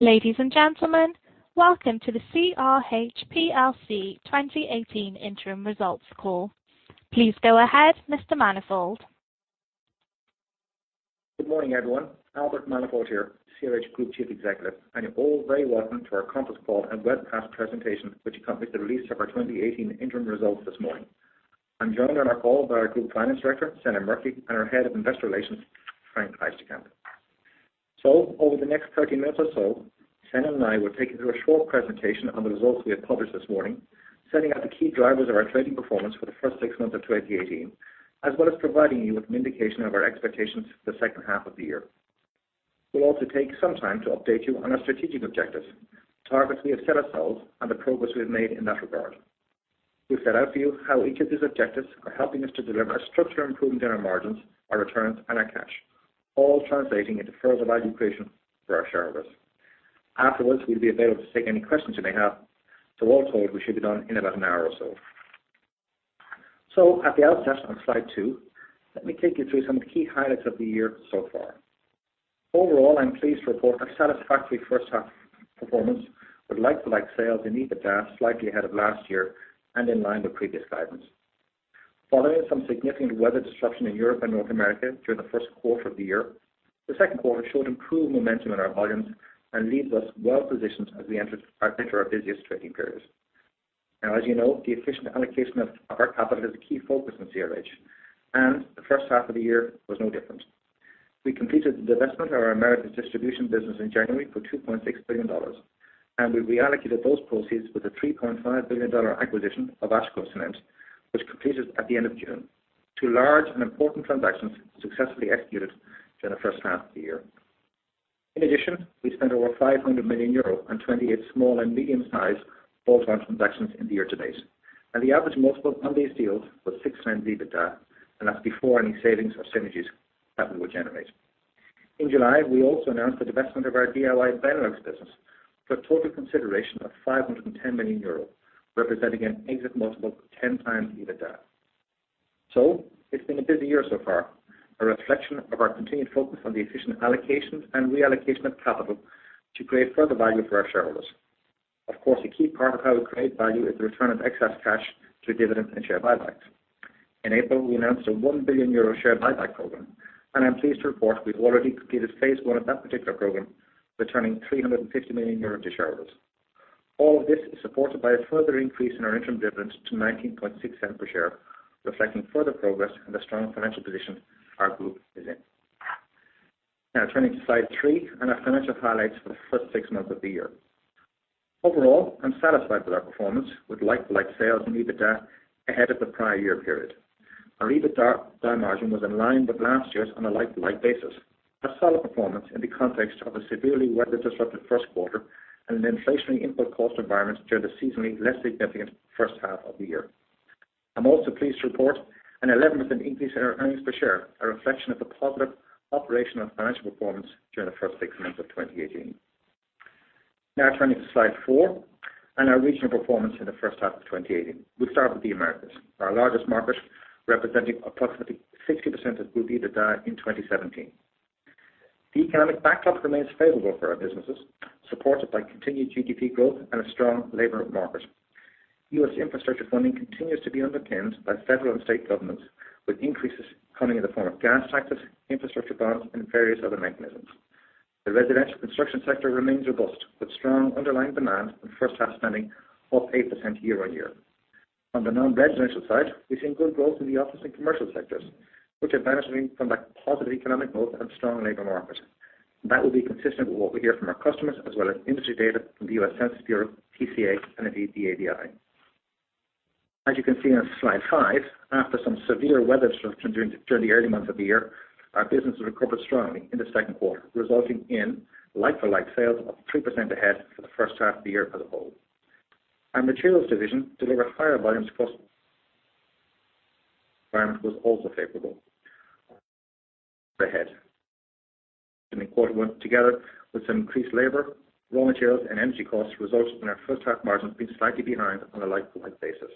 Ladies and gentlemen, welcome to the CRH plc 2018 interim results call. Please go ahead, Mr. Manifold. Good morning, everyone. Albert Manifold here, CRH Group Chief Executive, and you're all very welcome to our conference call and webcast presentation, which accompanies the release of our 2018 interim results this morning. I'm joined on our call by our Group Finance Director, Senan Murphy, and our Head of Investor Relations, Frank Heisterkamp. Over the next 30 minutes or so, Senan and I will take you through a short presentation on the results we have published this morning, setting out the key drivers of our trading performance for the first six months of 2018, as well as providing you with an indication of our expectations for the second half of the year. We'll also take some time to update you on our strategic objectives, targets we have set ourselves, and the progress we have made in that regard. We'll set out for you how each of these objectives are helping us to deliver a structural improvement in our margins, our returns, and our cash, all translating into further value creation for our shareholders. Afterwards, we'll be available to take any questions you may have. All told, we should be done in about an hour or so. At the outset on slide two, let me take you through some of the key highlights of the year so far. Overall, I'm pleased to report a satisfactory first half performance with like-for-like sales and EBITDA slightly ahead of last year and in line with previous guidance. Following some significant weather disruption in Europe and North America during the first quarter of the year, the second quarter showed improved momentum in our volumes and leaves us well positioned as we enter our busiest trading periods. Now, as you know, the efficient allocation of our capital is a key focus in CRH, and the first half of the year was no different. We completed the divestment of our Americas Distribution business in January for $2.6 billion, and we reallocated those proceeds with a $3.5 billion acquisition of Ash Grove Cement, which completed at the end of June. Two large and important transactions successfully executed during the first half of the year. In addition, we spent over 500 million euro on 28 small and medium-sized bolt-on transactions in the year to date, and the average multiple on these deals was six times EBITDA, and that's before any savings or synergies that we will generate. In July, we also announced the divestment of our Benelux DIY business for a total consideration of 510 million euros, representing an exit multiple of 10 times EBITDA. It's been a busy year so far, a reflection of our continued focus on the efficient allocation and reallocation of capital to create further value for our shareholders. Of course, a key part of how we create value is the return of excess cash through dividends and share buybacks. In April, we announced a 1 billion euro share buyback program, and I'm pleased to report we've already completed phase one of that particular program, returning 350 million euro to shareholders. All of this is supported by a further increase in our interim dividends to 0.196 per share, reflecting further progress in the strong financial position our group is in. Now turning to slide three and our financial highlights for the first six months of the year. Overall, I'm satisfied with our performance with like-for-like sales and EBITDA ahead of the prior year period. Our EBITDA margin was in line with last year's on a like-for-like basis. A solid performance in the context of a severely weather-disrupted first quarter and an inflationary input cost environment during the seasonally less significant first half of the year. I'm also pleased to report an 11% increase in our earnings per share, a reflection of the positive operational and financial performance during the first six months of 2018. Now turning to slide four and our regional performance in the first half of 2018. We'll start with the Americas, our largest market, representing approximately 60% of group EBITDA in 2017. The economic backdrop remains favorable for our businesses, supported by continued GDP growth and a strong labor market. U.S. infrastructure funding continues to be underpinned by federal and state governments, with increases coming in the form of gas taxes, infrastructure bonds, and various other mechanisms. The residential construction sector remains robust with strong underlying demand and first-half spending up 8% year-on-year. On the nonresidential side, we've seen good growth in the office and commercial sectors, which are benefiting from that positive economic growth and strong labor market. That will be consistent with what we hear from our customers as well as industry data from the U.S. Census Bureau, PCA, and indeed the ABI. As you can see on slide five, after some severe weather disruption during the early months of the year, our business recovered strongly in the second quarter, resulting in like-for-like sales of 3% ahead for the first half of the year as a whole. Our materials division delivered higher volumes. environment was also favorable. Ahead. In the quarter one, together with some increased labor, raw materials, and energy costs resulted in our first-half margins being slightly behind on a like-for-like basis.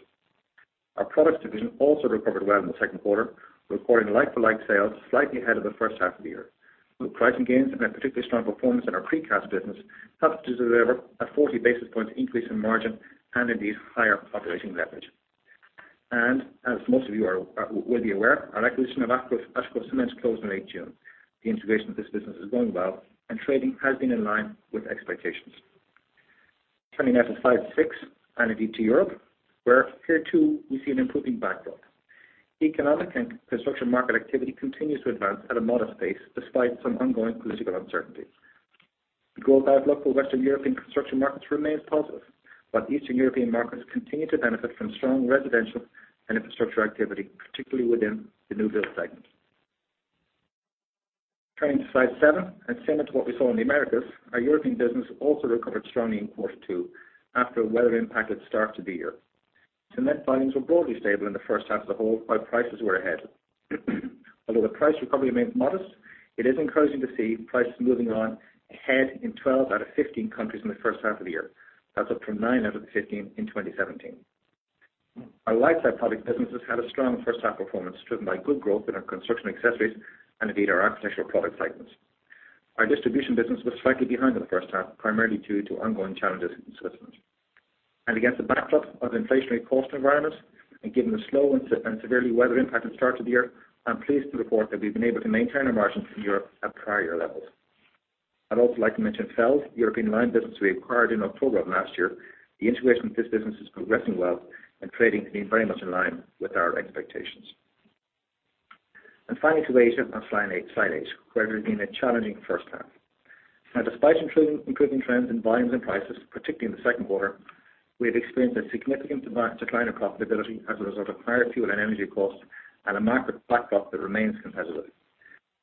Our products division also recovered well in the second quarter, recording like-for-like sales slightly ahead of the first half of the year, with pricing gains and a particularly strong performance in our precast business helping to deliver a 40 basis point increase in margin and indeed higher operating leverage. And as most of you will be aware, our acquisition of Ash Grove Cement closed on 18 June. The integration of this business is going well and trading has been in line with expectations. Turning now to slide six and indeed to Europe, where here too we see an improving backdrop. Economic and construction market activity continues to advance at a modest pace despite some ongoing political uncertainty. The growth outlook for Western European construction markets remains positive, while Eastern European markets continue to benefit from strong residential and infrastructure activity, particularly within the new build segment. Turning to slide seven, similar to what we saw in the Americas, our European business also recovered strongly in quarter two after a weather-impacted start to the year. Cement volumes were broadly stable in the first half as a whole, while prices were ahead. Although the price recovery remains modest, it is encouraging to see prices moving on ahead in 12 out of 15 countries in the first half of the year. That is up from nine out of the 15 in 2017. Our lifestyle product business has had a strong first half performance driven by good growth in our construction accessories and indeed our architectural product segments. Our distribution business was slightly behind in the first half, primarily due to ongoing challenges in Switzerland. Against the backdrop of the inflationary cost environment and given the slow and severely weather-impacted start to the year, I am pleased to report that we have been able to maintain our margins in Europe at prior year levels. I would also like to mention Fels, the European lime business we acquired in October of last year. The integration of this business is progressing well and trading has been very much in line with our expectations. Finally, to Asia and Slide eight, where we have been a challenging first half. Despite improving trends in volumes and prices, particularly in the second quarter, we have experienced a significant decline of profitability as a result of higher fuel and energy costs and a market backdrop that remains competitive.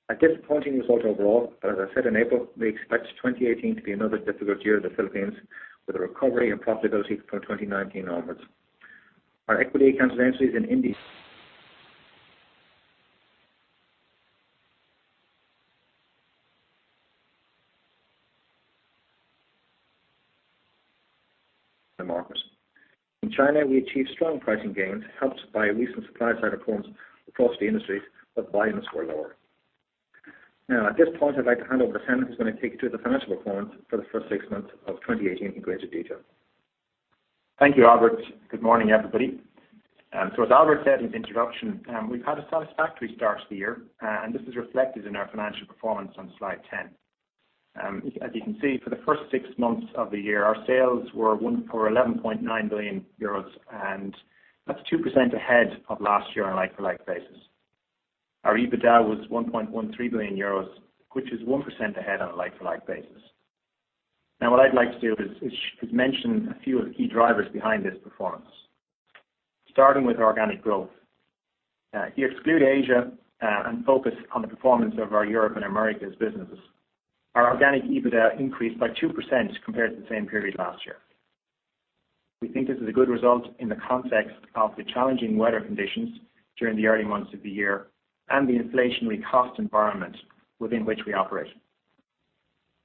A disappointing result overall, but as I said in April, we expect 2018 to be another difficult year in the Philippines with a recovery and profitability from 2019 onwards. Our equity accounted entities in the market. In China, we achieved strong pricing gains, helped by recent supply side reforms across the industries, but volumes were lower. At this point, I would like to hand over to Senan, who is going to take you through the financial performance for the first six months of 2018 in greater detail. Thank you, Albert. Good morning, everybody. As Albert said in his introduction, we have had a satisfactory start to the year, and this is reflected in our financial performance on Slide 10. As you can see, for the first six months of the year, our sales were for 11.9 billion euros, and that is 2% ahead of last year on a like-for-like basis. Our EBITDA was 1.13 billion euros, which is 1% ahead on a like-for-like basis. What I would like to do is mention a few of the key drivers behind this performance. Starting with organic growth. If you exclude Asia and focus on the performance of our Europe and Americas businesses, our organic EBITDA increased by 2% compared to the same period last year. We think this is a good result in the context of the challenging weather conditions during the early months of the year and the inflationary cost environment within which we operate.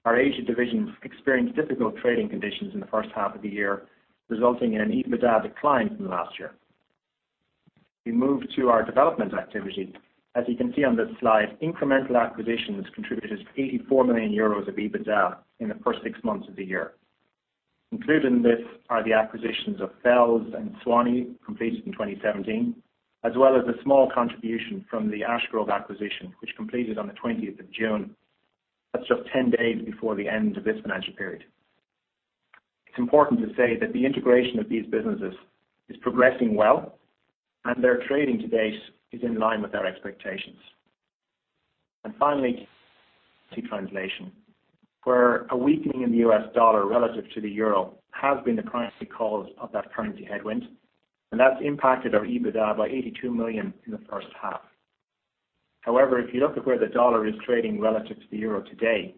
Our Asia divisions experienced difficult trading conditions in the first half of the year, resulting in an EBITDA decline from last year. We move to our development activity. As you can see on this slide, incremental acquisitions contributed €84 million of EBITDA in the first six months of the year. Included in this are the acquisitions of Fels and Suwannee, completed in 2017, as well as a small contribution from the Ash Grove acquisition, which completed on the 20th of June. That's just 10 days before the end of this financial period. It's important to say that the integration of these businesses is progressing well, and their trading to date is in line with our expectations. Finally, currency translation, where a weakening in the U.S. dollar relative to the euro has been the primary cause of that currency headwind, and that's impacted our EBITDA by 82 million in the first half. However, if you look at where the dollar is trading relative to the euro today,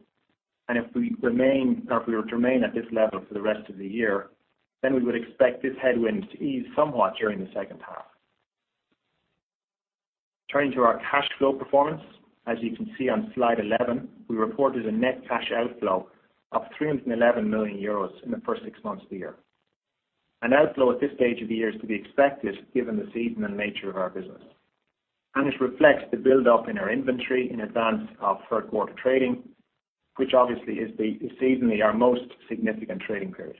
and if we were to remain at this level for the rest of the year, then we would expect this headwind to ease somewhat during the second half. Turning to our cash flow performance. As you can see on Slide 11, we reported a net cash outflow of €311 million in the first six months of the year. An outflow at this stage of the year is to be expected given the season and nature of our business, and it reflects the buildup in our inventory in advance of third quarter trading, which obviously is seasonally our most significant trading period.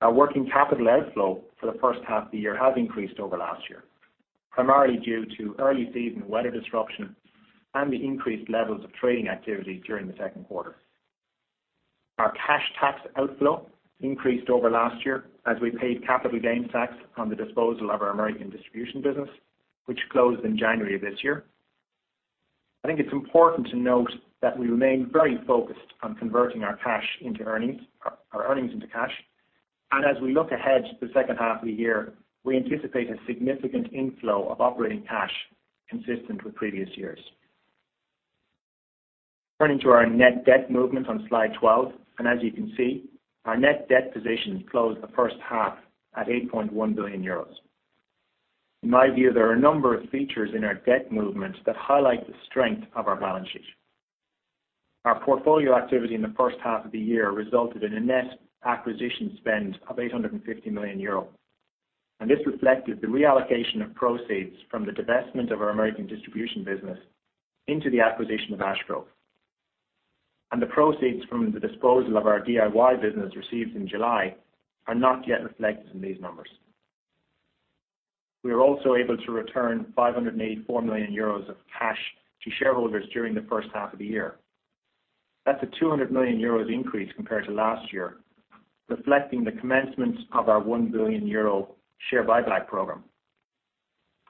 Our working capital outflow for the first half of the year has increased over last year, primarily due to early season weather disruption and the increased levels of trading activity during the second quarter. Our cash tax outflow increased over last year as we paid capital gains tax on the disposal of our Americas Distribution business, which closed in January of this year. I think it's important to note that we remain very focused on converting our earnings into cash. As we look ahead to the second half of the year, we anticipate a significant inflow of operating cash consistent with previous years. Turning to our net debt movement on Slide 12, as you can see, our net debt position closed the first half at €8.1 billion. In my view, there are a number of features in our debt movement that highlight the strength of our balance sheet. Our portfolio activity in the first half of the year resulted in a net acquisition spend of €850 million. This reflected the reallocation of proceeds from the divestment of our Americas Distribution business into the acquisition of Ash Grove. The proceeds from the disposal of our DIY business received in July are not yet reflected in these numbers. We were also able to return €584 million of cash to shareholders during the first half of the year. That's a €200 million increase compared to last year, reflecting the commencement of our 1 billion euro share buyback program.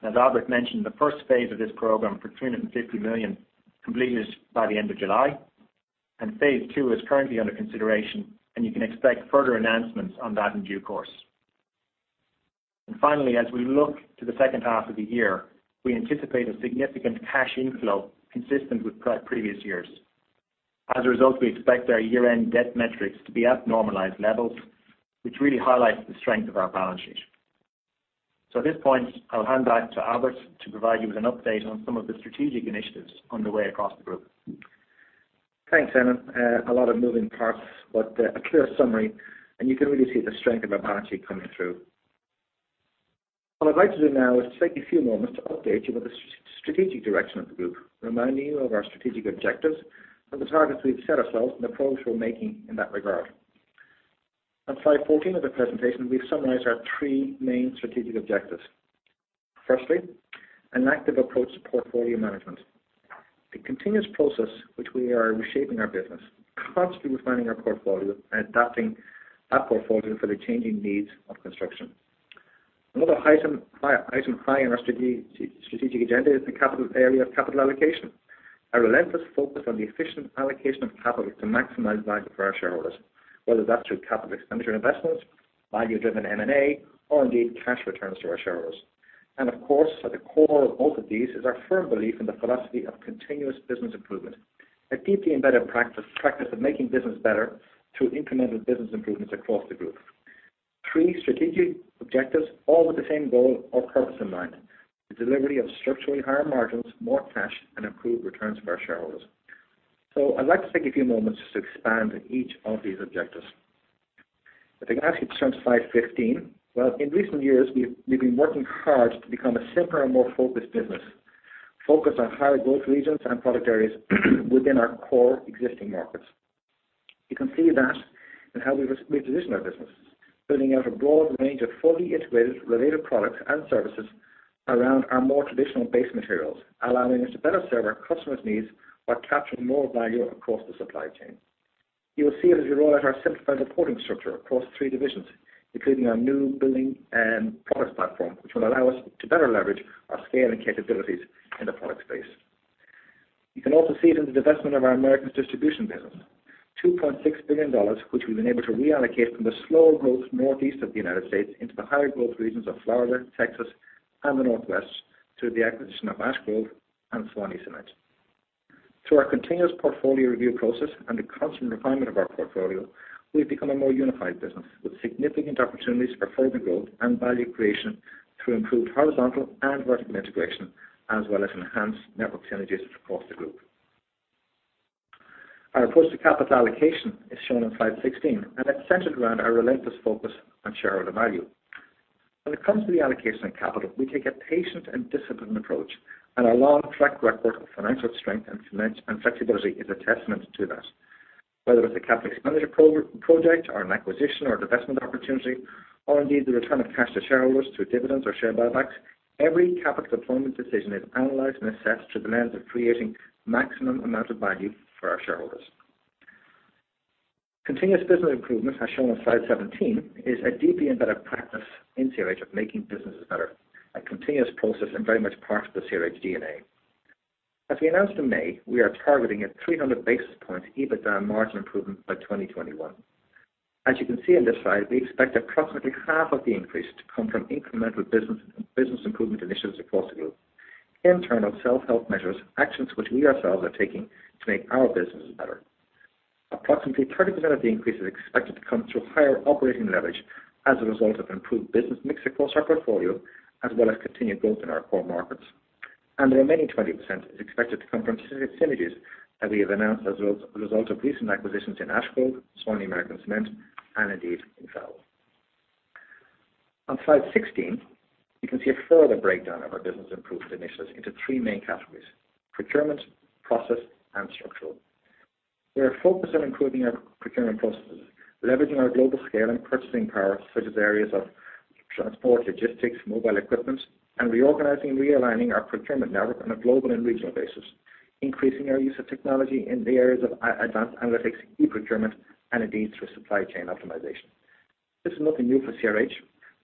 As Albert mentioned, the first phase of this program for 350 million completed by the end of July. Phase 2 is currently under consideration, and you can expect further announcements on that in due course. Finally, as we look to the second half of the year, we anticipate a significant cash inflow consistent with previous years. As a result, we expect our year-end debt metrics to be at normalized levels, which really highlights the strength of our balance sheet. At this point, I will hand back to Albert to provide you with an update on some of the strategic initiatives underway across the group. Thanks, Senan. A lot of moving parts, a clear summary, and you can really see the strength of our balance sheet coming through. What I would like to do now is take a few moments to update you on the strategic direction of the group, reminding you of our strategic objectives and the targets we have set ourselves and the progress we are making in that regard. On slide 14 of the presentation, we have summarized our three main strategic objectives. Firstly, an active approach to portfolio management. A continuous process, we are reshaping our business, constantly refining our portfolio and adapting that portfolio for the changing needs of construction. Another item high on our strategic agenda is the area of capital allocation. A relentless focus on the efficient allocation of capital to maximize value for our shareholders, whether that is through capital expenditure investments, value-driven M&A, or indeed, cash returns to our shareholders. Of course, at the core of both of these is our firm belief in the philosophy of continuous business improvement, a deeply embedded practice of making business better through incremental business improvements across the group. Three strategic objectives, all with the same goal or purpose in mind: the delivery of structurally higher margins, more cash, and improved returns for our shareholders. I would like to take a few moments just to expand each of these objectives. If I can ask you to turn to slide 15. In recent years, we have been working hard to become a simpler and more focused business, focused on higher growth regions and product areas within our core existing markets. You can see that in how we position our business, building out a broad range of fully integrated related products and services around our more traditional base materials, allowing us to better serve our customers' needs while capturing more value across the supply chain. You will see it as we roll out our simplified reporting structure across three divisions, including our new Building Products platform, which will allow us to better leverage our scale and capabilities in the product space. You can also see it in the divestment of our Americas Distribution business, $2.6 billion, which we have been able to reallocate from the slower growth Northeast of the U.S. into the higher growth regions of Florida, Texas, and the Northwest, through the acquisition of Ash Grove and Suwannee Cement. Through our continuous portfolio review process and the constant refinement of our portfolio, we've become a more unified business with significant opportunities for further growth and value creation through improved horizontal and vertical integration, as well as enhanced network synergies across the group. Our approach to capital allocation is shown on slide 16. It's centered around our relentless focus on shareholder value. When it comes to the allocation of capital, we take a patient and disciplined approach. Our long-track record of financial strength and flexibility is a testament to that. Whether it's a capital expenditure project or an acquisition or divestment opportunity, or indeed the return of cash to shareholders through dividends or share buybacks, every capital deployment decision is analyzed and assessed through the lens of creating maximum amount of value for our shareholders. Continuous business improvement, as shown on slide 17, is a deeply embedded practice in CRH of making businesses better, a continuous process and very much part of the CRH DNA. As we announced in May, we are targeting a 300 basis point EBITDA margin improvement by 2021. As you can see on this slide, we expect approximately half of the increase to come from incremental business improvement initiatives across the group. Internal self-help measures, actions which we ourselves are taking to make our businesses better. Approximately 30% of the increase is expected to come through higher operating leverage as a result of improved business mix across our portfolio, as well as continued growth in our core markets. The remaining 20% is expected to come from synergies that we have announced as a result of recent acquisitions in Ash Grove, Suwannee American Cement, and indeed, in Fels. On slide 16, you can see a further breakdown of our business improvement initiatives into three main categories: procurement, process, and structural. We are focused on improving our procurement processes, leveraging our global scale and purchasing power, such as areas of transport, logistics, mobile equipment, and reorganizing and realigning our procurement network on a global and regional basis, increasing our use of technology in the areas of advanced analytics, e-procurement, and indeed, through supply chain optimization. This is nothing new for CRH.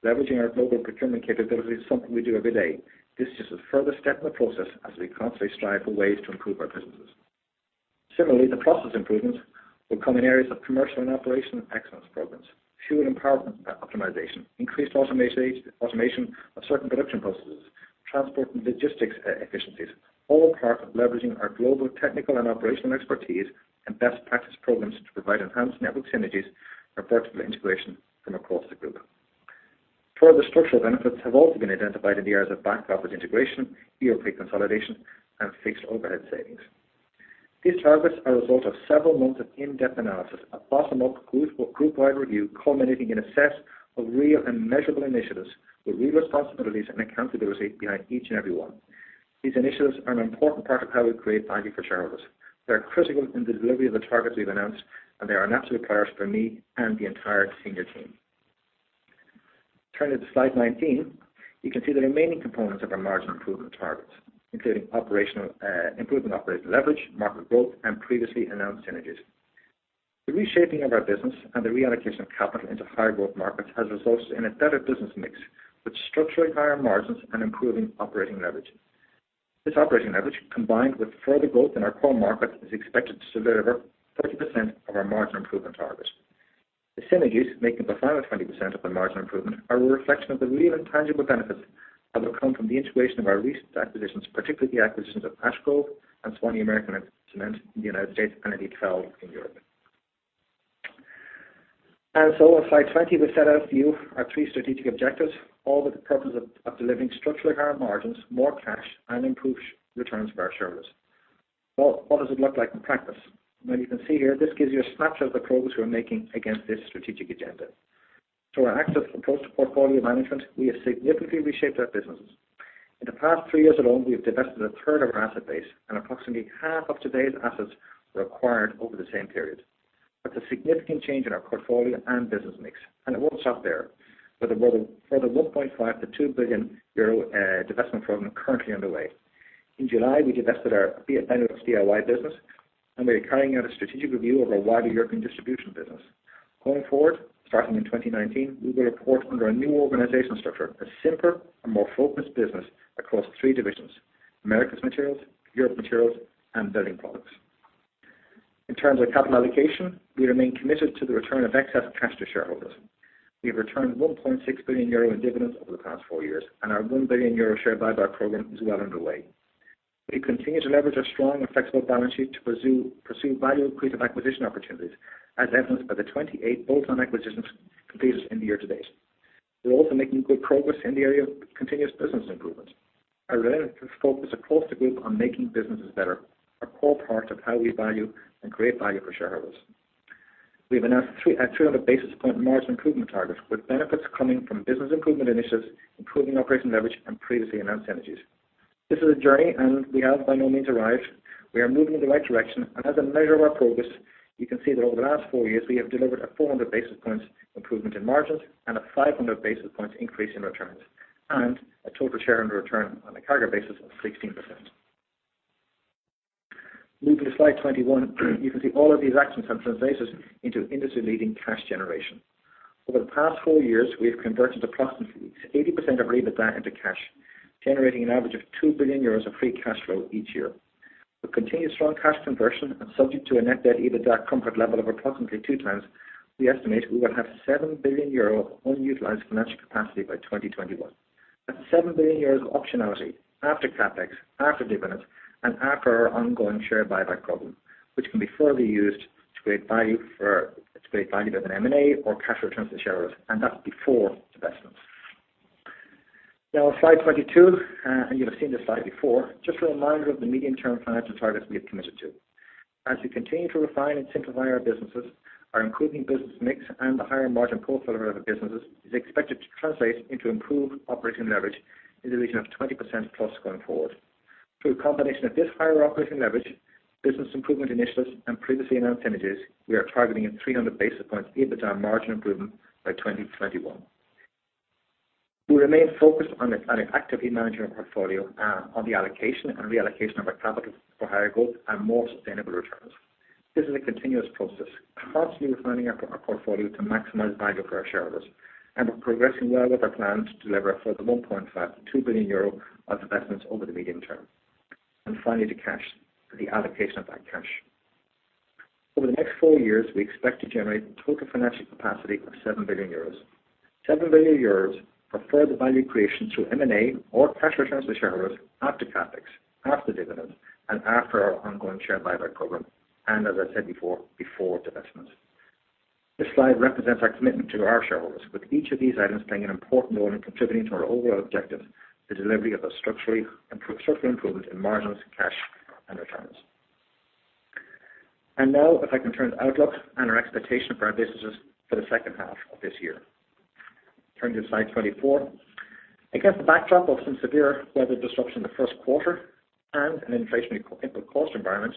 Leveraging our global procurement capability is something we do every day. This is just a further step in the process as we constantly strive for ways to improve our businesses. Similarly, the process improvements will come in areas of commercial and operational excellence programs, fuel and power optimization, increased automation of certain production processes, transport and logistics efficiencies, all part of leveraging our global technical and operational expertise and best practice programs to provide enhanced network synergies and vertical integration from across the group. Further structural benefits have also been identified in the areas of back-office integration, [inaudible] pre-consolidation, and fixed overhead savings. These targets are a result of several months of in-depth analysis, a bottom-up group-wide review culminating in a set of real and measurable initiatives with real responsibilities and accountability behind each and every one. These initiatives are an important part of how we create value for shareholders. They are critical in the delivery of the targets we've announced, and they are an absolute priority for me and the entire senior team. Turning to slide 19, you can see the remaining components of our margin improvement targets, including improvement in operating leverage, market growth, and previously announced synergies. The reshaping of our business and the reallocation of capital into higher growth markets has resulted in a better business mix with structurally higher margins and improving operating leverage. This operating leverage, combined with further growth in our core markets, is expected to deliver 30% of our margin improvement target. The synergies, making the final 20% of the margin improvement, are a reflection of the real and tangible benefits that will come from the integration of our recent acquisitions, particularly the acquisitions of Ash Grove and Suwannee American Cement in the United States, and indeed, Fels in Europe. On slide 20, we've set out for you our three strategic objectives, all with the purpose of delivering structurally higher margins, more cash, and improved returns for our shareholders. Well, what does it look like in practice? You can see here, this gives you a snapshot of the progress we're making against this strategic agenda. Through our active approach to portfolio management, we have significantly reshaped our businesses. In the past three years alone, we have divested a third of our asset base and approximately half of today's assets were acquired over the same period. That's a significant change in our portfolio and business mix, and it won't stop there. With a further 1.5 billion-2 billion euro divestment program currently underway. In July, we divested our Benelux DIY business and we are carrying out a strategic review of our wider European distribution business. Going forward, starting in 2019, we will report under a new organizational structure, a simpler and more focused business across three divisions, Americas Materials, Europe Materials, and Building Products. In terms of capital allocation, we remain committed to the return of excess cash to shareholders. We have returned 1.6 billion euro in dividends over the past four years, and our 1 billion euro share buyback program is well underway. We continue to leverage our strong and flexible balance sheet to pursue value-accretive acquisition opportunities, as evidenced by the 28 bolt-on acquisitions completed in the year to date. We're also making good progress in the area of continuous business improvement. Our relative focus across the group on making businesses better, a core part of how we value and create value for shareholders. We have announced a 300 basis point margin improvement target, with benefits coming from business improvement initiatives, improving operational leverage, and previously announced synergies. This is a journey, and we have by no means arrived. We are moving in the right direction, and as a measure of our progress, you can see that over the last four years, we have delivered a 400 basis point improvement in margins and a 500 basis point increase in returns, and a total shareholder return on a CAGR basis of 16%. Moving to slide 21, you can see all of these actions have translated into industry-leading cash generation. Over the past four years, we have converted approximately 80% of our EBITDA into cash, generating an average of 2 billion euros of free cash flow each year. With continued strong cash conversion and subject to a net debt to EBITDA comfort level of approximately two times, we estimate we will have 7 billion euro unutilized financial capacity by 2021. That's 7 billion euros of optionality after CapEx, after dividends, and after our ongoing share buyback program, which can be further used to create value-building M&A or cash returns to shareholders, and that's before divestments. On slide 22, and you'll have seen this slide before, just a reminder of the medium-term financial targets we have committed to. As we continue to refine and simplify our businesses, our improving business mix and the higher margin profile of our businesses is expected to translate into improved operational leverage in the region of 20%+ going forward. Through a combination of this higher operational leverage, business improvement initiatives, and previously announced synergies, we are targeting a 300 basis points EBITDA margin improvement by 2021. We remain focused on actively managing our portfolio and on the allocation and reallocation of our capital for higher growth and more sustainable returns. This is a continuous process, constantly refining our portfolio to maximize value for our shareholders, and we're progressing well with our plan to deliver a further 1.5 billion-2 billion euro of divestments over the medium term. Finally, the cash, the allocation of that cash. Over the next four years, we expect to generate a total financial capacity of 7 billion euros. 7 billion euros for further value creation through M&A or cash returns to shareholders after CapEx, after dividends, and after our ongoing share buyback program, and as I said before divestments. This slide represents our commitment to our shareholders with each of these items playing an important role in contributing to our overall objective, the delivery of a structural improvement in margins, cash, and returns. Now, if I can turn to outlook and our expectation for our businesses for the second half of this year. Turning to slide 24. Against the backdrop of some severe weather disruption in the first quarter and an inflationary input cost environment,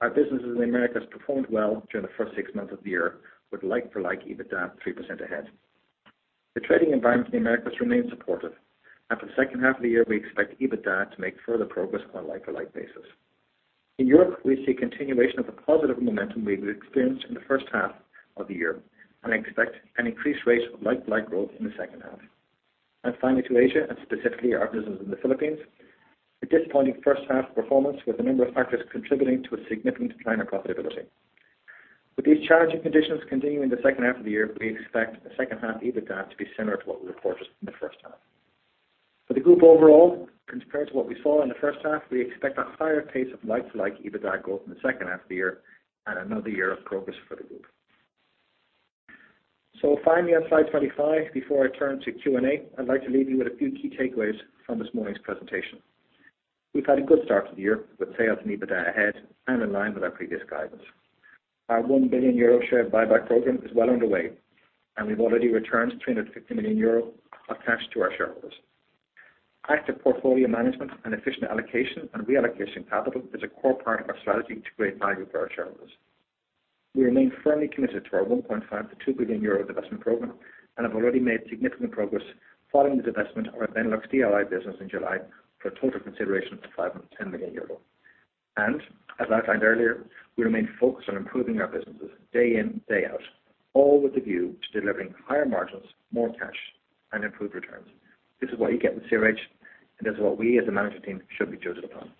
our businesses in the Americas performed well during the first six months of the year with like-for-like EBITDA 3% ahead. The trading environment in the Americas remains supportive, and for the second half of the year, we expect EBITDA to make further progress on a like-for-like basis. In Europe, we see continuation of the positive momentum we've experienced in the first half of the year and expect an increased rate of like-for-like growth in the second half. Finally, to Asia, and specifically our businesses in the Philippines, a disappointing first half performance with a number of factors contributing to a significant decline in profitability. With these challenging conditions continuing in the second half of the year, we expect the second half EBITDA to be similar to what we reported in the first half. For the group overall, compared to what we saw in the first half, we expect a higher pace of like-for-like EBITDA growth in the second half of the year and another year of progress for the group. Finally, on slide 25, before I turn to Q&A, I'd like to leave you with a few key takeaways from this morning's presentation. We've had a good start to the year with sales and EBITDA ahead and in line with our previous guidance. Our 1 billion euro share buyback program is well underway, and we've already returned 350 million euro of cash to our shareholders. Active portfolio management and efficient allocation and reallocation of capital is a core part of our strategy to create value for our shareholders. We remain firmly committed to our 1.5 billion-2 billion euro divestment program and have already made significant progress following the divestment of our Benelux DIY business in July for a total consideration of 510 million euro. As I outlined earlier, we remain focused on improving our businesses day in, day out, all with the view to delivering higher margins, more cash, and improved returns. This is what you get with CRH, and this is what we as a management team should be judged upon.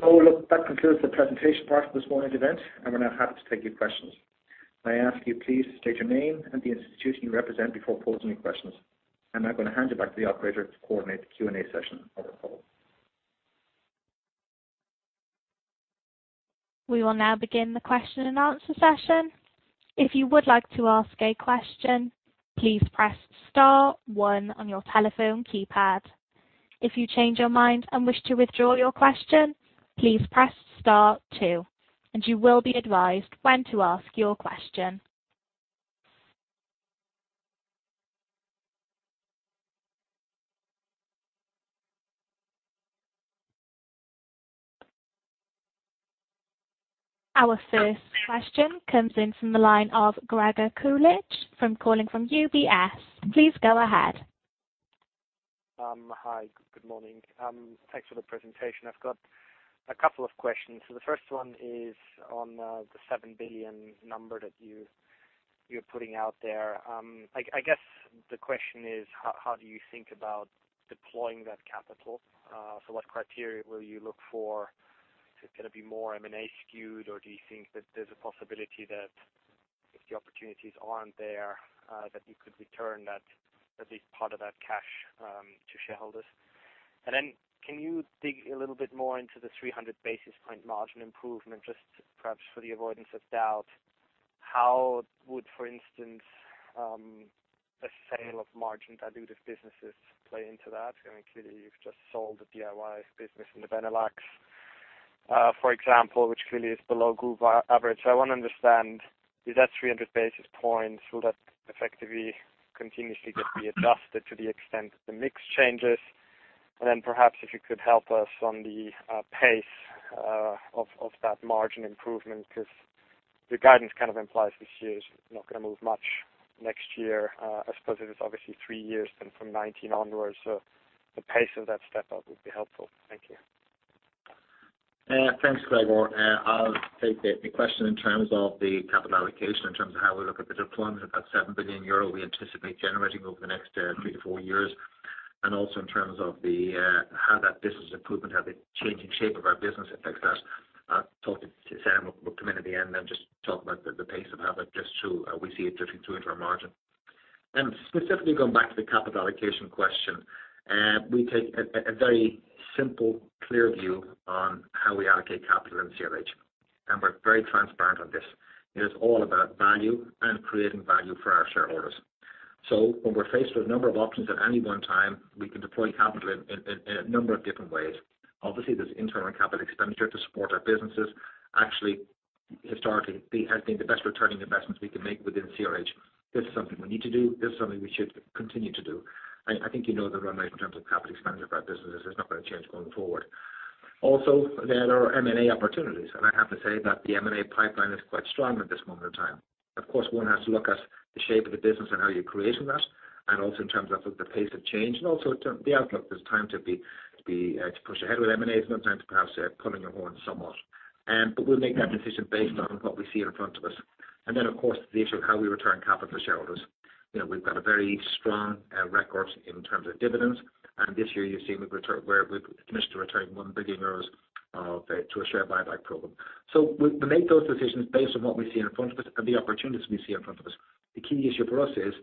Look, that concludes the presentation part of this morning's event, and we're now happy to take your questions. May I ask you please to state your name and the institution you represent before posing your questions. I'm now going to hand you back to the operator to coordinate the Q&A session for the call. We will now begin the question and answer session. If you would like to ask a question, please press star 1 on your telephone keypad. If you change your mind and wish to withdraw your question, please press star 2, and you will be advised when to ask your question. Our first question comes in from the line of Gregor Kuglicz calling from UBS. Please go ahead. Hi, good morning. Thanks for the presentation. I've got a couple of questions. The first one is on the 7 billion number that you're putting out there. I guess the question is, how do you think about deploying that capital? What criteria will you look for? Is it going to be more M&A skewed, or do you think that there's a possibility that if the opportunities aren't there, that you could return at least part of that cash to shareholders? And then can you dig a little bit more into the 300 basis point margin improvement, just perhaps for the avoidance of doubt? How would, for instance, a sale of margin dilutive businesses play into that? Clearly, you've just sold the DIY business in the Benelux, for example, which clearly is below group average. I want to understand, is that 300 basis points, will that effectively continuously get readjusted to the extent that the mix changes? Perhaps if you could help us on the pace of that margin improvement, because the guidance kind of implies this year's not going to move much. Next year, I suppose it is obviously three years from 2019 onwards. The pace of that step up would be helpful. Thank you. Thanks, Gregor. I will take the question in terms of the capital allocation, in terms of how we look at the deployment of that 7 billion euro we anticipate generating over the next three to four years, and also in terms of how that business improvement, how the changing shape of our business affects that. I will talk to Senan, who will come in at the end and just talk about the pace of how that just through, we see it drifting through into our margin. Specifically going back to the capital allocation question, we take a very simple, clear view on how we allocate capital in CRH, we are very transparent on this. It is all about value and creating value for our shareholders. When we are faced with a number of options at any one time, we can deploy capital in a number of different ways. Obviously, there is internal capital expenditure to support our businesses. Actually, historically, has been the best returning investments we can make within CRH. This is something we need to do. This is something we should continue to do. I think you know the runway in terms of capital expenditure of our business. This is not going to change going forward. Also, there are M&A opportunities, I have to say that the M&A pipeline is quite strong at this moment in time. Of course, one has to look at the shape of the business and how you are creating that, and also in terms of the pace of change, and also the outlook. There is time to push ahead with M&A. There is no time to perhaps pulling your horns somewhat. We will make that decision based on what we see in front of us. Of course, the issue of how we return capital to shareholders. We have got a very strong record in terms of dividends, this year you have seen we have committed to returning 1 billion euros to a share buyback program. We make those decisions based on what we see in front of us and the opportunities we see in front of us. The key issue for us is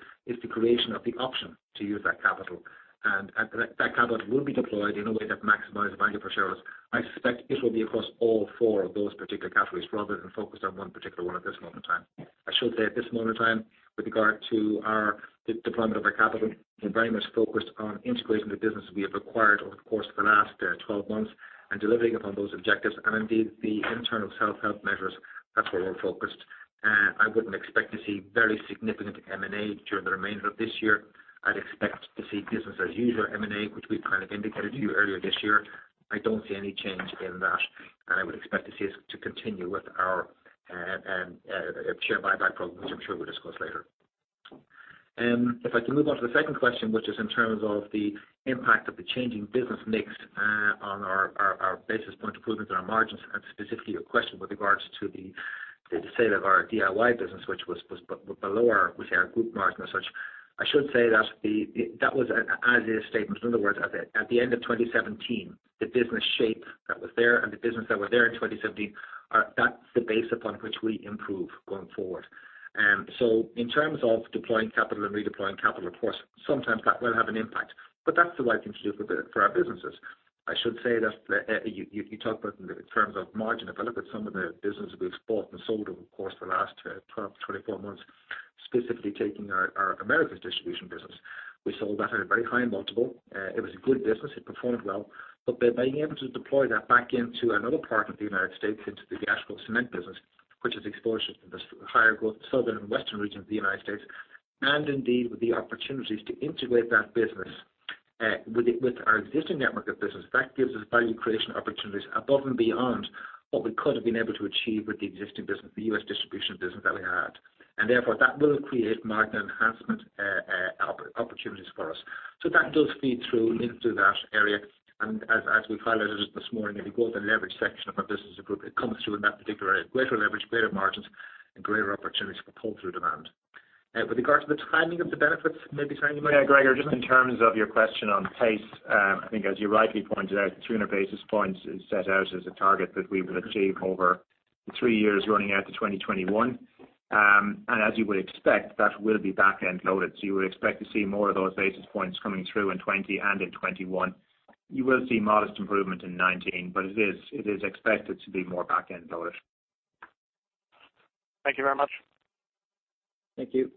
the creation of the option to use that capital, that capital will be deployed in a way that maximizes value for shareholders. I suspect this will be across all four of those particular categories rather than focused on one particular one at this moment in time. I should say at this moment in time, with regard to our deployment of our capital, we're very much focused on integrating the business we have acquired over the course of the last 12 months and delivering upon those objectives. Indeed, the internal self-help measures, that's where we're focused. I wouldn't expect to see very significant M&A during the remainder of this year. I'd expect to see business as usual M&A, which we've kind of indicated to you earlier this year. I don't see any change in that, and I would expect to continue with our share buyback program, which I'm sure we'll discuss later. If I can move on to the second question, which is in terms of the impact of the changing business mix on our basis point improvement in our margins, and specifically your question with regards to the sale of our DIY business, which was below our group margin as such. I should say that was an as is statement. In other words, at the end of 2017, the business shape that was there and the business that were there in 2017, that's the base upon which we improve going forward. In terms of deploying capital and redeploying capital, of course, sometimes that will have an impact. That's the right thing to do for our businesses. I should say that you talk about in terms of margin, if I look at some of the business we've bought and sold over the course of the last 12-24 months, specifically taking our Americas Distribution business. We sold that at a very high multiple. It was a good business. It performed well. By being able to deploy that back into another part of the U.S., into the asphalt cement business, which is exposure to the higher growth southern and western regions of the U.S. Indeed, with the opportunities to integrate that business with our existing network of business, that gives us value creation opportunities above and beyond what we could have been able to achieve with the existing business, the U.S. Distribution business that we had. Therefore, that will create margin enhancement opportunities for us. That does feed through into that area, as we highlighted it this morning, if you go to the leverage section of our business as a group, it comes through in that particular area. Greater leverage, greater margins, and greater opportunities for pull-through demand. With regards to the timing of the benefits, maybe, Senan, you might- Gregor, just in terms of your question on pace, I think as you rightly pointed out, the 300 basis points is set out as a target that we would achieve over The three years running out to 2021. As you would expect, that will be back-end loaded. You would expect to see more of those basis points coming through in 2020 and in 2021. You will see modest improvement in 2019, it is expected to be more back-end loaded. Thank you very much. Thank you.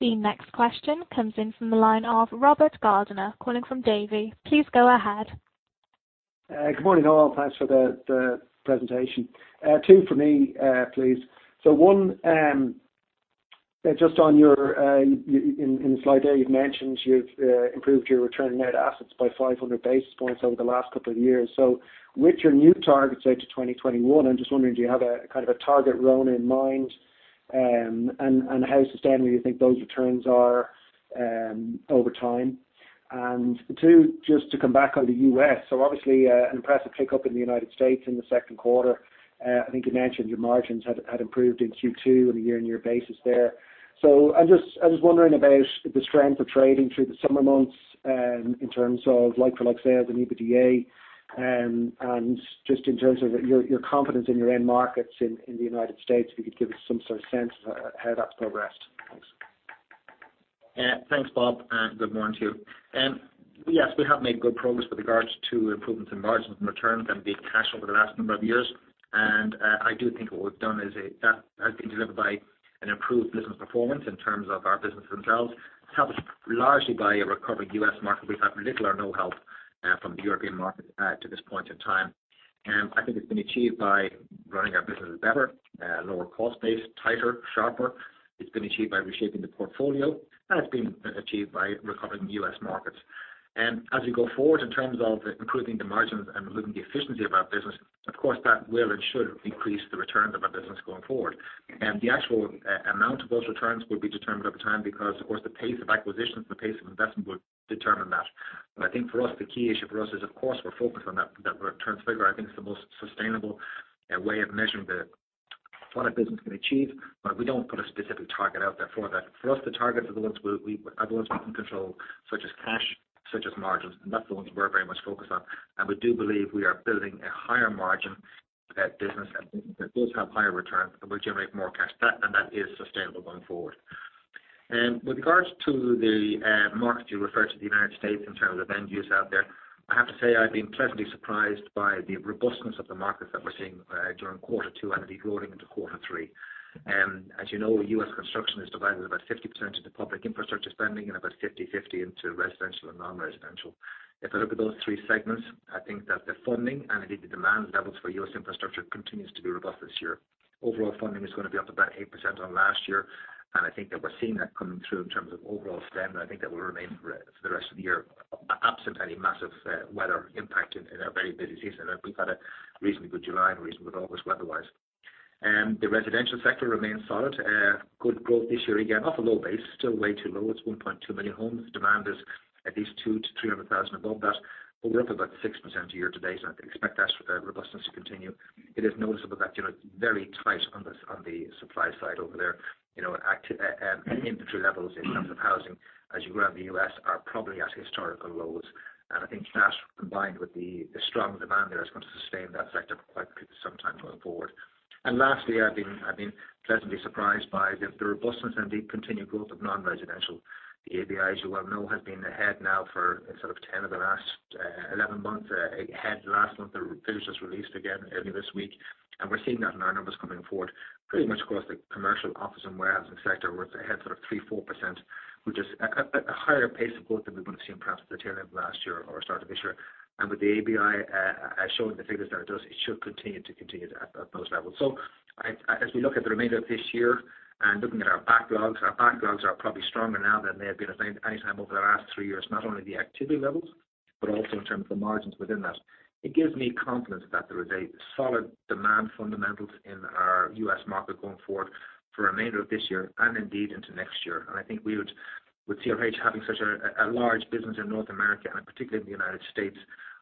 The next question comes in from the line of Robert Gardiner calling from Davy. Please go ahead. Good morning, all. Thanks for the presentation. Two for me, please. One, just on your, in slide eight you've mentioned you've improved your return on net assets by 500 basis points over the last couple of years. With your new targets out to 2021, I'm just wondering, do you have a kind of a target ROA in mind? How sustainable you think those returns are, over time? Two, just to come back on the U.S. Obviously, an impressive pick-up in the United States in the second quarter. I think you mentioned your margins had improved in Q2 on a year-on-year basis there. I was wondering about the strength of trading through the summer months in terms of like-for-like sales and EBITDA, and just in terms of your confidence in your end markets in the United States, if you could give us some sort of sense of how that's progressed. Thanks. Thanks, Bob, and good morning to you. Yes, we have made good progress with regards to improvements in margins and returns and indeed cash over the last number of years. I do think what we've done is that has been delivered by an improved business performance in terms of our businesses themselves. It's helped largely by a recovering U.S. market. We've had little or no help from the European market to this point in time. I think it's been achieved by running our businesses better, lower cost base, tighter, sharper. It's been achieved by reshaping the portfolio, and it's been achieved by recovering U.S. markets. As we go forward in terms of improving the margins and improving the efficiency of our business, of course, that will and should increase the returns of our business going forward. The actual amount of those returns will be determined over time because, of course, the pace of acquisitions, the pace of investment will determine that. I think for us, the key issue for us is of course, we're focused on that returns figure. I think it's the most sustainable way of measuring what a business can achieve. We don't put a specific target out there for that. For us, the targets are the ones we can control, such as cash, such as margins, and that's the ones we're very much focused on. We do believe we are building a higher margin business that does have higher returns and will generate more cash, and that is sustainable going forward. With regards to the market you refer to, the U.S., in terms of end use out there, I have to say I've been pleasantly surprised by the robustness of the markets that we're seeing during quarter two and indeed rolling into quarter three. As you know, U.S. construction is divided about 50% into public infrastructure spending and about 50/50 into residential and non-residential. If I look at those three segments, I think that the funding and indeed the demand levels for U.S. infrastructure continues to be robust this year. Overall funding is going to be up about 8% on last year. I think that we're seeing that coming through in terms of overall spend. I think that will remain for the rest of the year, absent any massive weather impact in a very busy season. We've had a reasonably good July and a reasonably good August weather-wise. The residential sector remains solid. Good growth this year, again, off a low base, still way too low. It's 1.2 million homes. Demand is at least 200,000-300,000 above that. We're up about 6% year to date, so I expect that robustness to continue. It is noticeable that it's very tight on the supply side over there. Inventory levels in terms of housing, as you go around the U.S., are probably at historical lows. I think that combined with the strong demand there is going to sustain that sector for quite some time going forward. Lastly, I've been pleasantly surprised by the robustness and indeed continued growth of non-residential. The ABI, as you well know, has been ahead now for sort of 10 of the last 11 months. Ahead last month. The figures just released again early this week. We're seeing that in our numbers coming forward pretty much across the commercial office and warehousing sector where it's ahead sort of 3%-4%, which is a higher pace of growth than we would have seen perhaps at the tail end of last year or start of this year. With the ABI showing the figures that it does, it should continue to continue at those levels. As we look at the remainder of this year and looking at our backlogs, our backlogs are probably stronger now than they have been at any time over the last 3 years, not only the activity levels but also in terms of the margins within that. It gives me confidence that there is a solid demand fundamentals in our U.S. market going forward for remainder of this year and indeed into next year. I think with CRH having such a large business in North America, and particularly in the United States,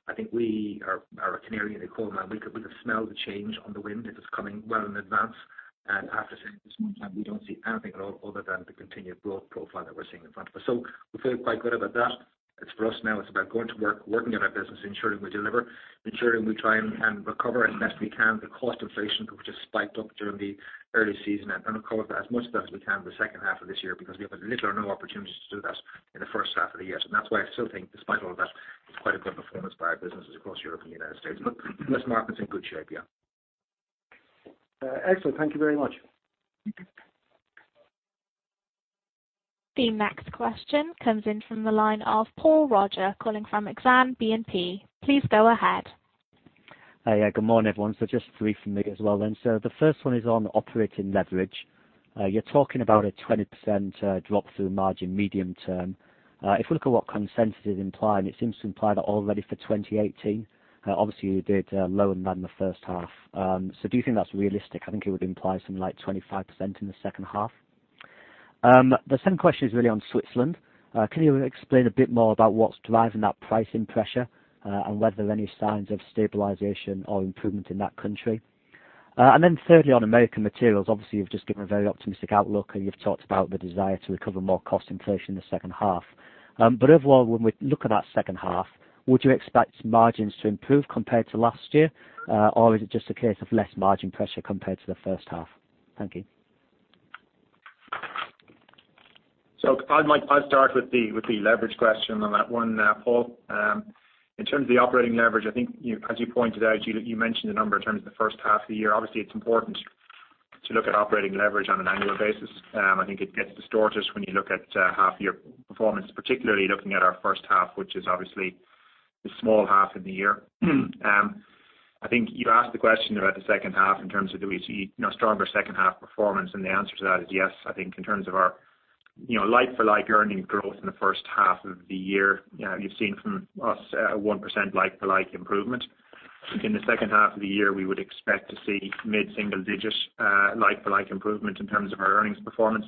I think we are a canary in the coal mine. We can smell the change on the wind if it's coming well in advance. I have to say, at this point in time, we don't see anything at all other than the continued growth profile that we're seeing in front of us. We feel quite good about that. It's for us now, it's about going to work, working in our business, ensuring we deliver, ensuring we try and recover as best we can the cost inflation which has spiked up during the early season, and recover as much of that as we can in the second half of this year because we have little or no opportunities to do that in the first half of the year. That's why I still think despite all of that, it's quite a good performance by our businesses across Europe and the United States. This market's in good shape, yeah. Excellent. Thank you very much. The next question comes in from the line of Paul Roger calling from Exane BNP. Please go ahead. Good morning, everyone. Just three from me as well then. The first one is on operating leverage. You're talking about a 20% drop through margin medium term. If we look at what consensus is implying, it seems to imply that already for 2018. Obviously you did lower than the first half. Do you think that's realistic? I think it would imply something like 25% in the second half. The second question is really on Switzerland. Can you explain a bit more about what's driving that pricing pressure, and whether any signs of stabilization or improvement in that country? Thirdly, on Americas Materials, obviously you've just given a very optimistic outlook and you've talked about the desire to recover more cost inflation in the second half. Overall, when we look at that second half, would you expect margins to improve compared to last year? Or is it just a case of less margin pressure compared to the first half? Thank you. I might start with the leverage question on that one, Paul. In terms of the operating leverage, I think as you pointed out, you mentioned the number in terms of the first half of the year. Obviously it's important to look at operating leverage on an annual basis. I think it gets distorted when you look at half year performance, particularly looking at our first half, which is obviously the small half of the year. I think you asked the question about the second half in terms of do we see stronger second half performance, and the answer to that is yes. I think in terms of our like-for-like earning growth in the first half of the year, you've seen from us a 1% like-for-like improvement. In the second half of the year, we would expect to see mid-single digit like-for-like improvement in terms of our earnings performance.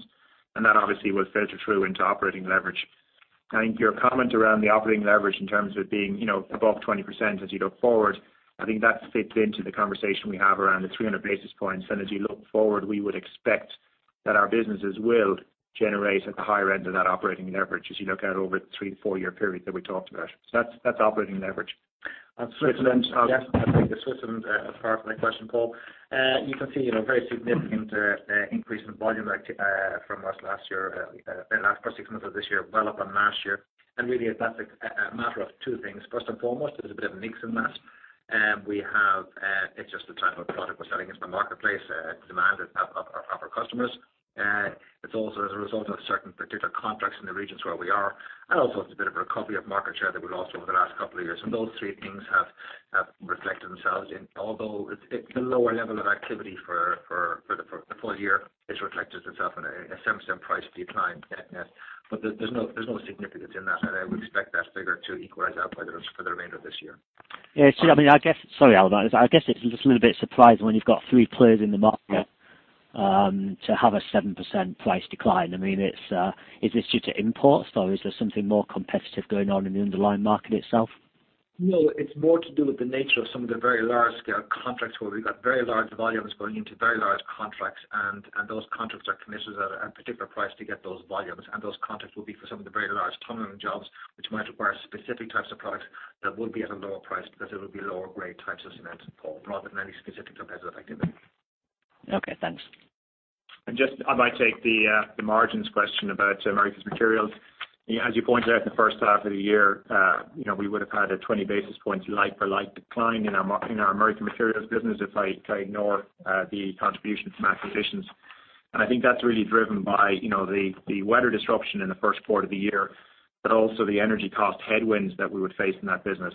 That obviously will filter through into operating leverage. I think your comment around the operating leverage in terms of being above 20% as you look forward, I think that fits into the conversation we have around the 300 basis points. As you look forward, we would expect that our businesses will generate at the higher end of that operating leverage as you look out over the 3-4-year period that we talked about. That's operating leverage. On Switzerland, yes, I'll take the Switzerland part of the question, Paul. You can see very significant increase in volume from us last 6 months of this year, well up on last year. Really that's a matter of two things. First and foremost, there's a bit of a mix in that. It's just the type of product we're selling into the marketplace, demand of our customers. It's also as a result of certain particular contracts in the regions where we are, and also it's a bit of a recovery of market share that we lost over the last couple of years. Those three things have reflected themselves in although the lower level of activity for the full year, it's reflected itself in a 7% price decline net. There's no significance in that, and we expect that figure to equalize out for the remainder of this year. Yeah. Sorry, Albert, I guess it's just a little bit surprising when you've got three players in the market, to have a 7% price decline. Is this due to imports or is there something more competitive going on in the underlying market itself? No, it's more to do with the nature of some of the very large-scale contracts where we've got very large volumes going into very large contracts, and those contracts are committed at a particular price to get those volumes. Those contracts will be for some of the very large tunnel jobs, which might require specific types of product that will be at a lower price because it will be lower grade types of cement, Paul, rather than any specific competitive activity. Okay, thanks. I might take the margins question about Americas Materials. As you pointed out, in the first half of the year, we would have had a 20 basis points like-for-like decline in our Americas Materials business if I ignore the contribution from acquisitions. I think that's really driven by the weather disruption in the first quarter of the year, but also the energy cost headwinds that we would face in that business.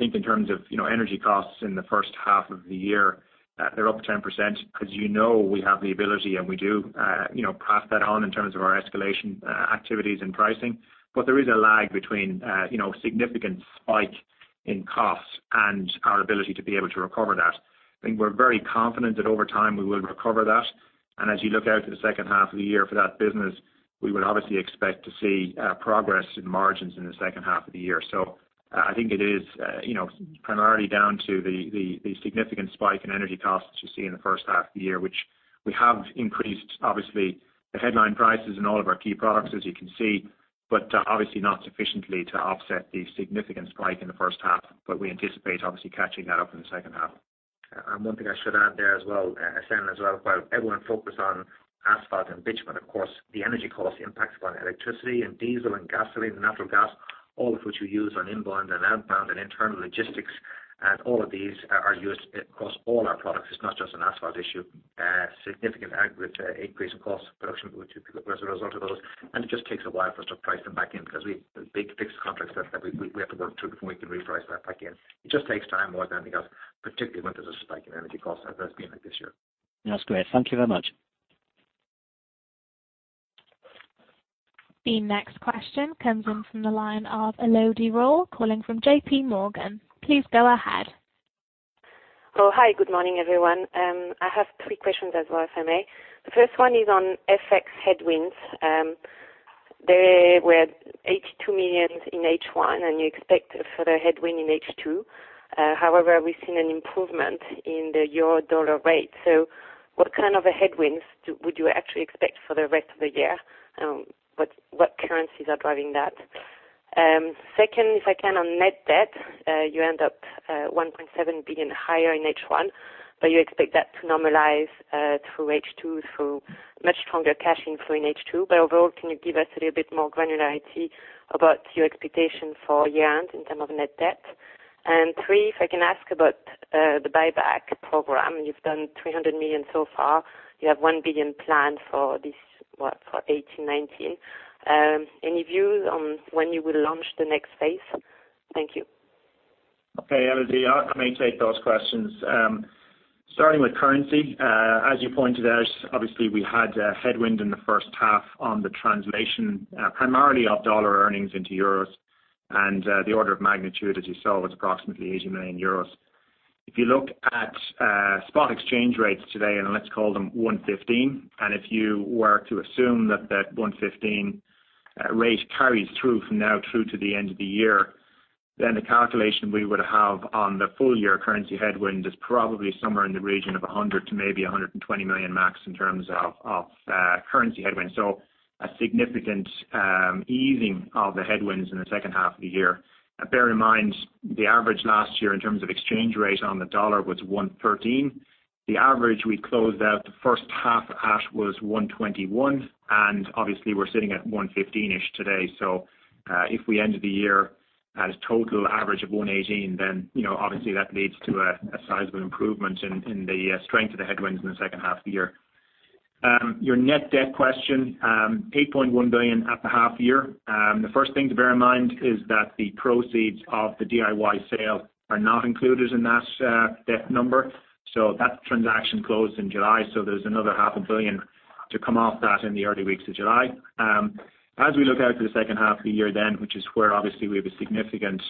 In terms of energy costs in the first half of the year, they're up 10%, because you know we have the ability, and we do pass that on in terms of our escalation activities and pricing. There is a lag between significant spike in costs and our ability to be able to recover that. We're very confident that over time we will recover that. As you look out to the second half of the year for that business, we would obviously expect to see progress in margins in the second half of the year. It is primarily down to the significant spike in energy costs you see in the first half of the year, which we have increased, obviously the headline prices in all of our key products, as you can see, but obviously not sufficiently to offset the significant spike in the first half. We anticipate obviously catching that up in the second half. One thing I should add there as well, Senan as well, while everyone focus on asphalt and bitumen, of course, the energy cost impacts upon electricity and diesel and gasoline and natural gas, all of which we use on inbound and outbound and internal logistics. All of these are used across all our products. It's not just an asphalt issue. Significant aggregate increase in cost of production as a result of those. It just takes a while for us to price them back in because we have big fixed contracts that we have to work through before we can reprice that back in. It just takes time more than anything else, particularly when there's a spike in energy costs as there's been this year. That's great. Thank you very much. The next question comes in from the line of Elodie Rall, calling from JP Morgan. Please go ahead. Hi. Good morning, everyone. I have three questions as well, if I may. The first one is on FX headwinds. They were at 82 million in H1, and you expect a further headwind in H2. We've seen an improvement in the euro dollar rate. What kind of a headwinds would you actually expect for the rest of the year? What currencies are driving that? Second, if I can on net debt, you end up 1.7 billion higher in H1, but you expect that to normalize through H2 through much stronger cash inflow in H2. Overall, can you give us a little bit more granularity about your expectation for year-end in term of net debt? And three, if I can ask about the buyback program. You've done 300 million so far. You have 1 billion planned for 2018, 2019. Any views on when you will launch the next phase? Thank you. Okay, Elodie. I may take those questions. Starting with currency, as you pointed out, obviously we had a headwind in the first half on the translation, primarily of dollar earnings into euros. The order of magnitude, as you saw, was approximately 80 million euros. If you look at spot exchange rates today, let's call them 115, if you were to assume that that 115 rate carries through from now through to the end of the year. The calculation we would have on the full year currency headwind is probably somewhere in the region of 100 million to maybe 120 million max in terms of currency headwind. A significant easing of the headwinds in the second half of the year. Bear in mind, the average last year in terms of exchange rate on the dollar was 113. The average we closed out the first half at was 121. Obviously we're sitting at 115-ish today. If we end the year at a total average of 118, obviously that leads to a sizable improvement in the strength of the headwinds in the second half of the year. Your net debt question, 8.1 billion at the half year. The first thing to bear in mind is that the proceeds of the DIY sale are not included in that debt number. That transaction closed in July, there's another EUR half a billion to come off that in the early weeks of July. As we look out to the second half of the year, which is where obviously we have a significant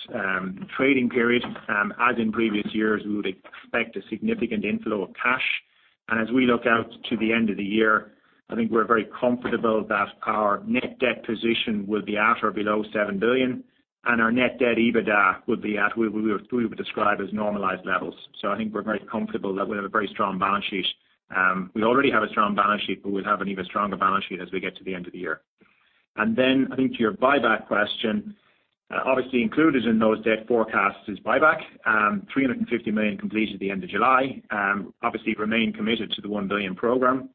trading period, as in previous years, we would expect a significant inflow of cash. As we look out to the end of the year, I think we're very comfortable that our net debt position will be at or below 7 billion, our net debt to EBITDA will be at what we would describe as normalized levels. I think we're very comfortable that we'll have a very strong balance sheet. We already have a strong balance sheet, we'll have an even stronger balance sheet as we get to the end of the year. I think to your buyback question, obviously included in those debt forecasts is buyback. 350 million completed at the end of July. Obviously remain committed to the 1 billion program.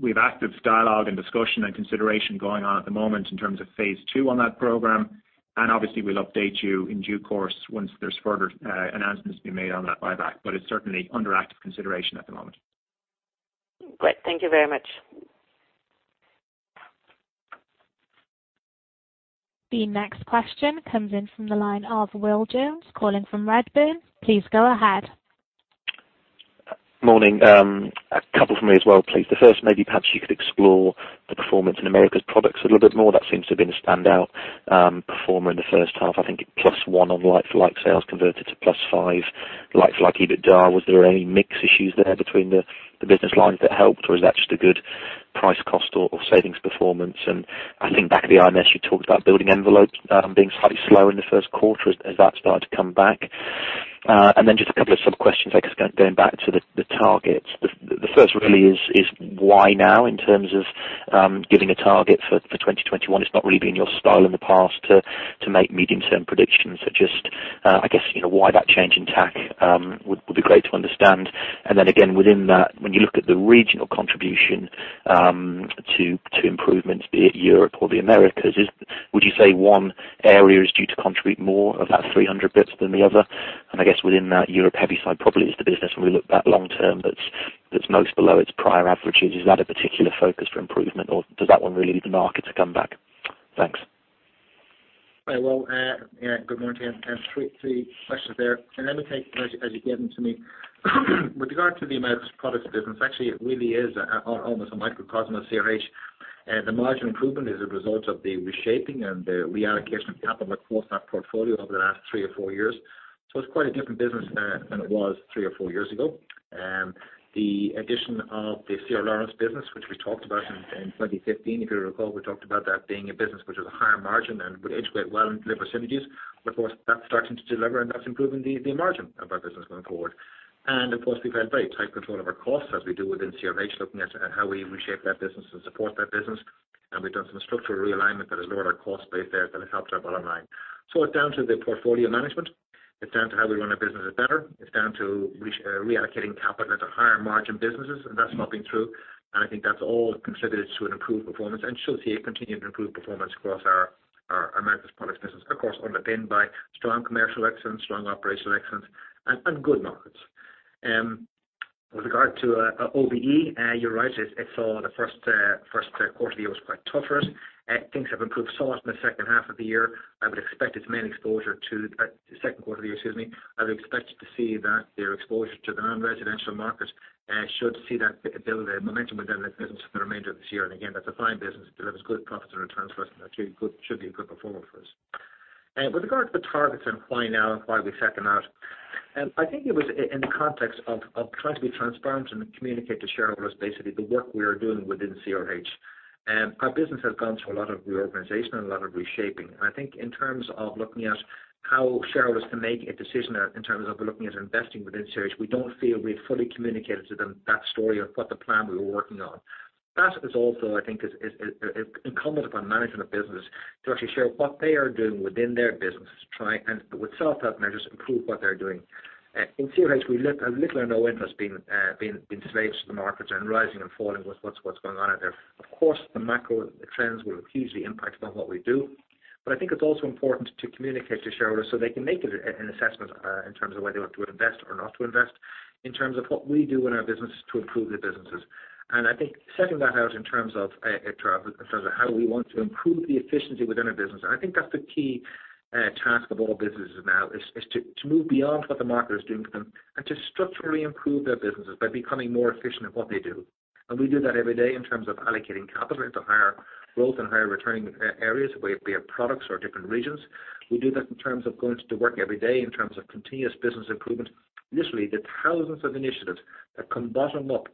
We've active dialogue and discussion and consideration going on at the moment in terms of phase 2 on that program. Obviously we'll update you in due course once there's further announcements to be made on that buyback. It's certainly under active consideration at the moment. Great. Thank you very much. The next question comes in from the line of Will Jones, calling from Redburn. Please go ahead. Morning. A couple from me as well, please. The first, maybe perhaps you could explore the performance in Americas Products a little bit more. That seems to have been a standout performer in the first half. I think it plus one on like-for-like sales converted to plus five like-for-like EBITDA. Was there any mix issues there between the business lines that helped, or is that just a good price cost or savings performance? I think back at the IMS, you talked about Oldcastle BuildingEnvelope being slightly slow in the first quarter. Has that started to come back? Then just a couple of sub-questions, I guess, going back to the targets. The first really is why now in terms of giving a target for 2021? It's not really been your style in the past to make medium-term predictions, just I guess why that change in tack would be great to understand. Then again, within that, when you look at the regional contribution to improvements, be it Europe or the Americas, would you say one area is due to contribute more of that 300 basis points than the other? I guess within that Europe-heavy side probably is the business when we look that long term that's most below its prior averages. Is that a particular focus for improvement, or does that one really need the market to come back? Thanks. Well, good morning. Three questions there. Let me take as you gave them to me. With regard to the Americas Products business, actually, it really is almost a microcosm of CRH. The margin improvement is a result of the reshaping and the reallocation of capital across that portfolio over the last three or four years. It's quite a different business than it was three or four years ago. The addition of the C.R. Laurence business, which we talked about in 2015, if you recall, we talked about that being a business which was a higher margin and would integrate well and deliver synergies. Of course, that's starting to deliver, and that's improving the margin of our business going forward. Of course, we've had very tight control of our costs, as we do within CRH, looking at how we reshape that business and support that business. We've done some structural realignment that has lowered our cost base there that has helped our bottom line. It's down to the portfolio management. It's down to how we run our businesses better. It's down to reallocating capital into higher margin businesses, and that's mapping through. I think that's all contributed to an improved performance, and should see a continued improved performance across our Americas Products business. Of course, underpinned by strong commercial excellence, strong operational excellence, and good markets. With regard to OBE, you're right. It saw the first quarter of the year was quite tough for us. Things have improved somewhat in the second half of the year. I would expect its main exposure to the second quarter of the year, excuse me. I would expect to see that their exposure to the non-residential market should see that build a momentum within that business for the remainder of this year. Again, that's a fine business. It delivers good profits and returns for us, and that should be a good performer for us. With regard to the targets and why now and why are we setting out, I think it was in the context of trying to be transparent and communicate to shareholders basically the work we are doing within CRH. Our business has gone through a lot of reorganization and a lot of reshaping, and I think in terms of looking at how shareholders can make a decision in terms of looking at investing within CRH, we don't feel we've fully communicated to them that story of what the plan we were working on. That is also, I think, incumbent upon management of business to actually share what they are doing within their businesses to try and with self-help measures, improve what they're doing. In CRH, we live as little or no interest being slaves to the markets and rising and falling with what's going on out there. Of course, the macro trends will hugely impact upon what we do. I think it's also important to communicate to shareholders so they can make an assessment in terms of whether they want to invest or not to invest, in terms of what we do in our businesses to improve the businesses. I think setting that out in terms of how we want to improve the efficiency within our business, and I think that's the key task of all businesses now is to move beyond what the market is doing for them and to structurally improve their businesses by becoming more efficient at what they do. We do that every day in terms of allocating capital into higher growth and higher returning areas, be it products or different regions. We do that in terms of going to work every day in terms of continuous business improvement. Literally, the thousands of initiatives that come bottom up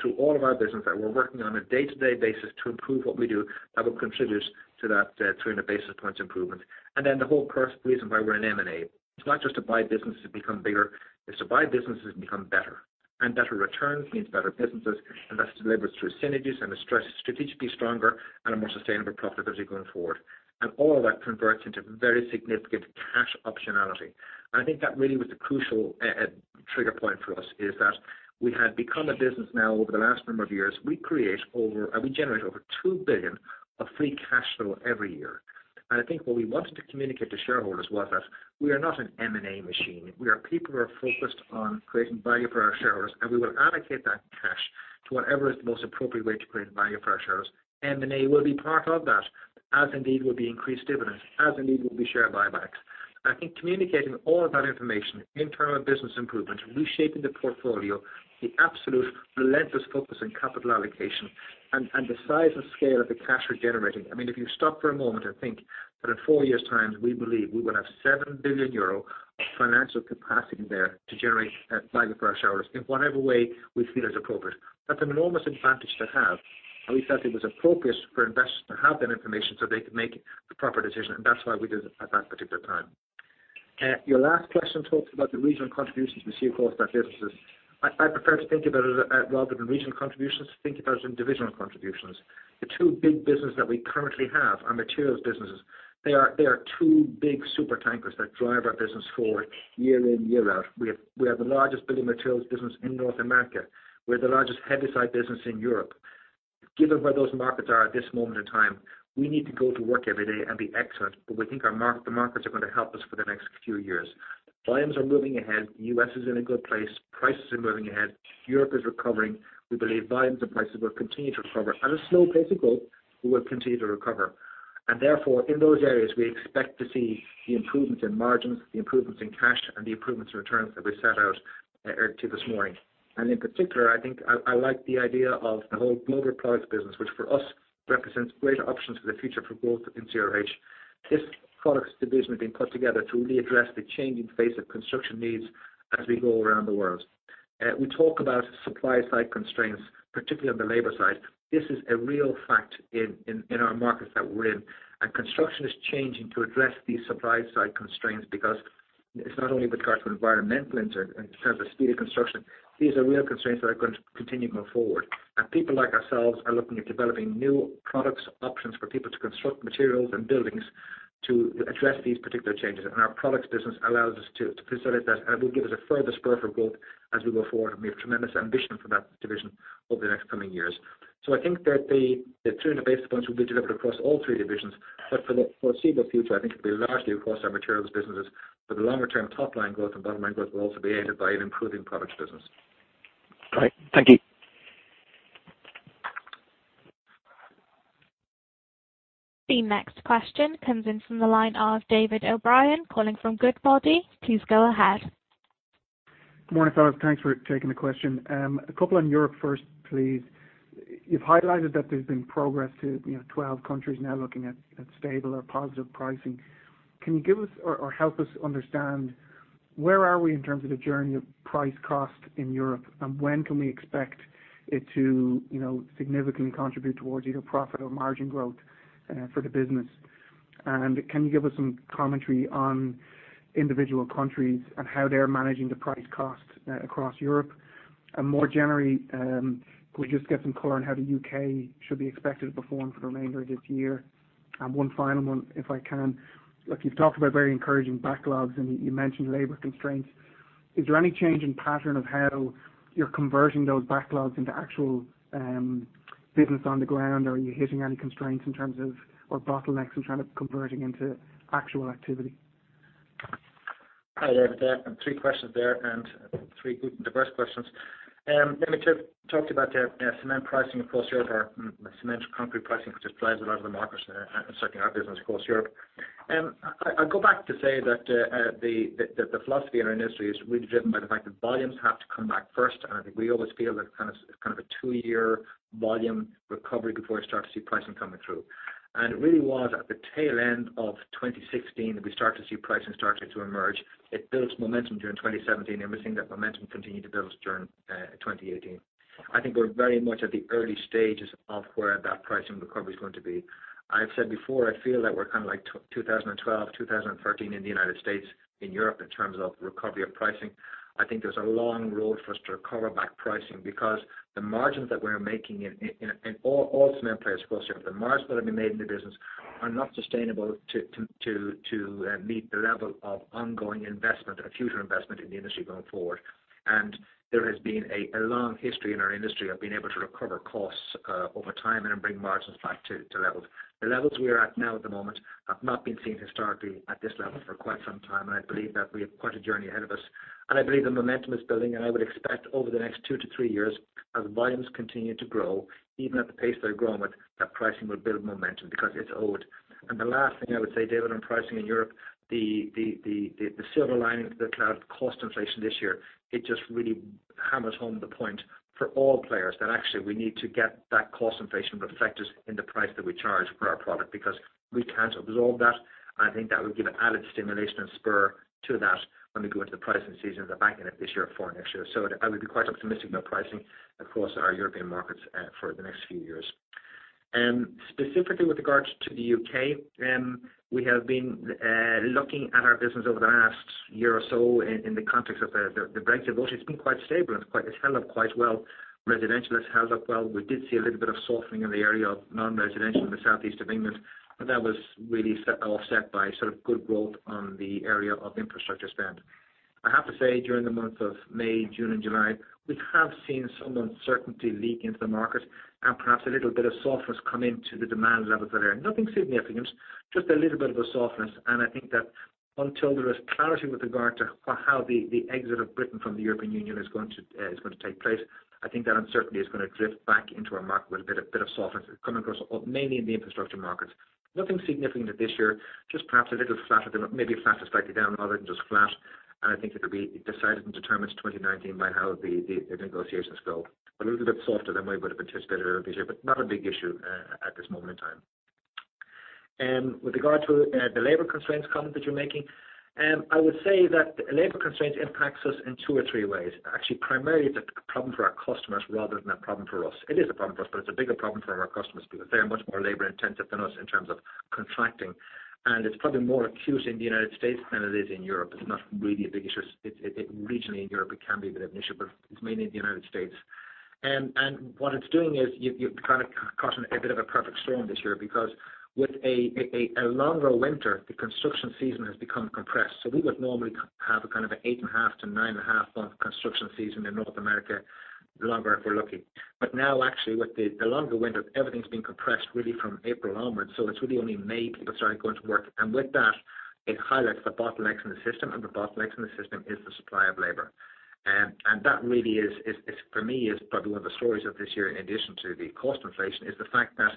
through all of our business that we're working on a day-to-day basis to improve what we do, that will contribute to that 300 basis points improvement. The whole first reason why we're in M&A. It's not just to buy businesses to become bigger. It's to buy businesses and become better. Better returns means better businesses, and that's delivered through synergies and the strategically stronger and a more sustainable profitability going forward. All of that converts into very significant cash optionality. I think that really was the crucial trigger point for us, is that we had become a business now, over the last number of years, we generate over 2 billion of free cash flow every year. I think what we wanted to communicate to shareholders was that we are not an M&A machine. We are people who are focused on creating value for our shareholders, and we will allocate that cash to whatever is the most appropriate way to create value for our shareholders. M&A will be part of that, as indeed will be increased dividends, as indeed will be share buybacks. I think communicating all of that information, internal business improvement, reshaping the portfolio, the absolute relentless focus on capital allocation and the size and scale of the cash we're generating. If you stop for a moment and think that in four years' time, we believe we will have 7 billion euro of financial capacity there to generate value for our shareholders in whatever way we feel is appropriate. That's an enormous advantage to have, and we felt it was appropriate for investors to have that information so they could make the proper decision. That's why we did it at that particular time. Your last question talks about the regional contributions we see across our businesses. I prefer to think about it, rather than regional contributions, think about it in divisional contributions. The two big businesses that we currently have are materials businesses. They are two big super tankers that drive our business forward year in, year out. We have the largest building materials business in North America. We're the largest heavy side business in Europe. Given where those markets are at this moment in time, we need to go to work every day and be excellent, but we think the markets are going to help us for the next few years. Volumes are moving ahead. The U.S. is in a good place. Prices are moving ahead. Europe is recovering. We believe volumes and prices will continue to recover. At a slow pace of growth, we will continue to recover. Therefore, in those areas, we expect to see the improvements in margins, the improvements in cash, and the improvements in returns that we set out to this morning. In particular, I like the idea of the whole global Products business, which for us represents greater options for the future for growth in CRH. This Products Division has been put together to really address the changing face of construction needs as we go around the world. We talk about supply side constraints, particularly on the labor side. This is a real fact in our markets that we're in, and construction is changing to address these supply side constraints because it's not only with regards to environmental and in terms of speed of construction. These are real constraints that are going to continue going forward. People like ourselves are looking at developing new products, options for people to construct materials and buildings to address these particular changes. Our Products business allows us to facilitate that, and it will give us a further spur for growth as we go forward. We have tremendous ambition for that division over the next coming years. I think that the 300 basis points will be delivered across all three divisions. For the foreseeable future, I think it'll be largely across our Materials businesses. For the longer-term, top-line growth and bottom-line growth will also be aided by an improving Products business. Great. Thank you. The next question comes in from the line of David O'Brien calling from Goodbody. Please go ahead. Good morning, fellas. Thanks for taking the question. A couple on Europe first, please. You've highlighted that there's been progress to 12 countries now looking at stable or positive pricing. Can you give us or help us understand where are we in terms of the journey of price cost in Europe, and when can we expect it to significantly contribute towards either profit or margin growth for the business? Can you give us some commentary on individual countries and how they're managing the price cost across Europe? More generally, could we just get some color on how the U.K. should be expected to perform for the remainder of this year? One final one, if I can. Look, you've talked about very encouraging backlogs, and you mentioned labor constraints. Is there any change in pattern of how you're converting those backlogs into actual business on the ground? Are you hitting any constraints in terms of, or bottlenecks in kind of converting into actual activity? Hi, David. Three questions there and three good and diverse questions. Let me talk to you about the cement pricing across Europe or cement to concrete pricing, which applies a lot of the markets and certainly our business across Europe. I'll go back to say that the philosophy in our industry is really driven by the fact that volumes have to come back first. I think we always feel that it's kind of a two-year volume recovery before we start to see pricing coming through. It really was at the tail end of 2016 that we started to see pricing starting to emerge. It builds momentum during 2017, we're seeing that momentum continue to build during 2018. I think we're very much at the early stages of where that pricing recovery is going to be. I've said before, I feel that we're kind of like 2012, 2013 in the U.S., in Europe, in terms of recovery of pricing. I think there's a long road for us to recover back pricing because the margins that we're making in all cement players across Europe, the margins that have been made in the business are not sustainable to meet the level of ongoing investment and future investment in the industry going forward. There has been a long history in our industry of being able to recover costs over time and bring margins back to levels. The levels we are at now at the moment have not been seen historically at this level for quite some time. I believe that we have quite a journey ahead of us. I believe the momentum is building, and I would expect over the next two to three years, as volumes continue to grow, even at the pace they're growing with, that pricing will build momentum because it's owed. The last thing I would say, David, on pricing in Europe, the silver lining to the cloud cost inflation this year, it just really hammers home the point for all players that actually we need to get that cost inflation reflected in the price that we charge for our product, because we can't absorb that. I think that will give it added stimulation and spur to that when we go into the pricing season at the back end of this year for next year. I would be quite optimistic about pricing across our European markets for the next few years. Specifically with regards to the U.K., we have been looking at our business over the last year or so in the context of the Brexit vote. It's been quite stable and it's held up quite well. Residential has held up well. We did see a little bit of softening in the area of non-residential in the southeast of England, that was really offset by sort of good growth on the area of infrastructure spend. I have to say, during the months of May, June, and July, we have seen some uncertainty leak into the market and perhaps a little bit of softness come into the demand levels that are in. Nothing significant, just a little bit of a softness, I think that until there is clarity with regard to how the exit of Britain from the European Union is going to take place, I think that uncertainty is going to drift back into our market with a bit of softness coming across mainly in the infrastructure markets. Nothing significant this year, just perhaps a little flatter than, maybe a flatter slightly down rather than just flat. I think it'll be decided and determined in 2019 by how the negotiations go. A little bit softer than we would've anticipated earlier this year, not a big issue at this moment in time. With regard to the labor constraints comment that you're making, I would say that labor constraints impacts us in two or three ways. Actually, primarily, it's a problem for our customers rather than a problem for us. It is a problem for us, it's a bigger problem for our customers because they are much more labor-intensive than us in terms of contracting. It's probably more acute in the U.S. than it is in Europe. It's not really a big issue. Regionally in Europe, it can be a bit of an issue, it's mainly in the U.S. What it's doing is you've kind of caught in a bit of a perfect storm this year because with a longer winter, the construction season has become compressed. We would normally have kind of an eight and a half to nine and a half month construction season in North America, longer if we're lucky. Now actually with the longer winter, everything's been compressed really from April onwards, so it's really only May people started going to work. With that, it highlights the bottlenecks in the system, the bottlenecks in the system is the supply of labor. That really is, for me, is probably one of the stories of this year in addition to the cost inflation, is the fact that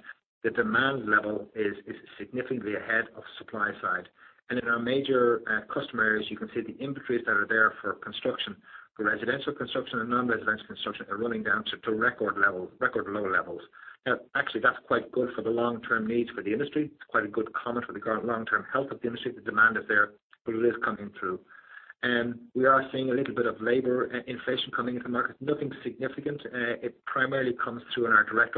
the demand level is significantly ahead of supply side. In our major customer areas, you can see the inventories that are there for construction. The residential construction and non-residential construction are running down to record low levels. Now, actually, that's quite good for the long-term needs for the industry. It's quite a good comment for the long-term health of the industry. The demand is there, but it is coming through. We are seeing a little bit of labor inflation coming into the market. Nothing significant. It primarily comes through in our direct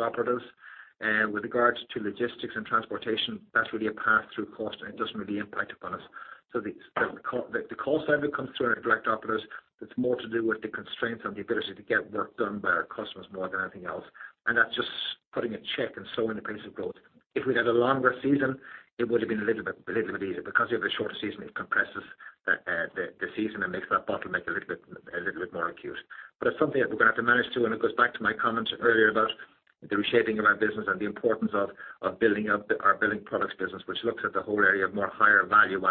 operatives. With regards to logistics and transportation, that's really a pass-through cost, and it doesn't really impact upon us. The cost side that comes through in our direct operatives, it's more to do with the constraints on the ability to get work done by our customers more than anything else. That's just putting a check and slowing the pace of growth. If we'd had a longer season, it would've been a little bit easier. Because you have a shorter season, it compresses the season and makes that bottleneck a little bit more acute. It's something that we're going to have to manage through, and it goes back to my comments earlier about the reshaping of our business and the importance of building up our Building Products business, which looks at the whole area of more higher value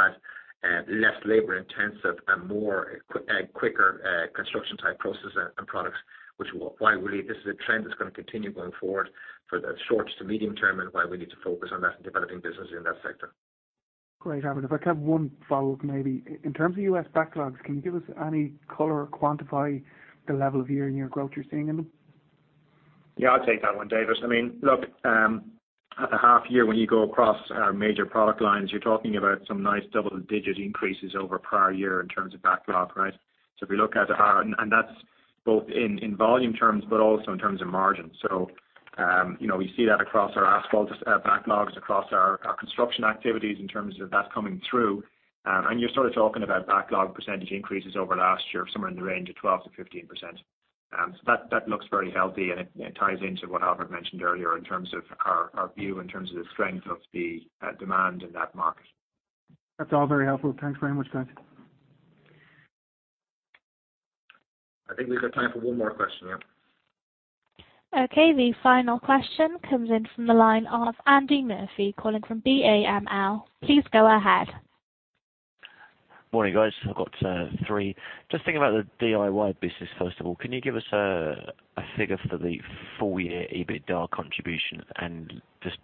add, less labor-intensive, and quicker construction type processes and products. Which is why really this is a trend that's going to continue going forward for the short to medium term and why we need to focus on that and developing businesses in that sector. Great, Albert. If I can have one follow-up maybe. In terms of U.S. backlogs, can you give us any color or quantify the level of year-on-year growth you're seeing in them? Yeah, I will take that one, David. Look, at the half year, when you go across our major product lines, you are talking about some nice double-digit increases over prior year in terms of backlog, right? So if you look at the. And that is both in volume terms, but also in terms of margin. So, we see that across our asphalt backlogs, across our construction activities in terms of that coming through. And you are sort of talking about backlog percentage increases over last year, somewhere in the range of 12% to 15%. So that looks very healthy, and it ties into what Albert mentioned earlier in terms of our view in terms of the strength of the demand in that market. That is all very helpful. Thanks very much, guys. I think we have got time for one more question here. The final question comes in from the line of Andy Murphy calling from BAML. Please go ahead. Morning, guys. I've got three. Just thinking about the Benelux DIY business, first of all, can you give us a figure for the full year EBITDA contribution and just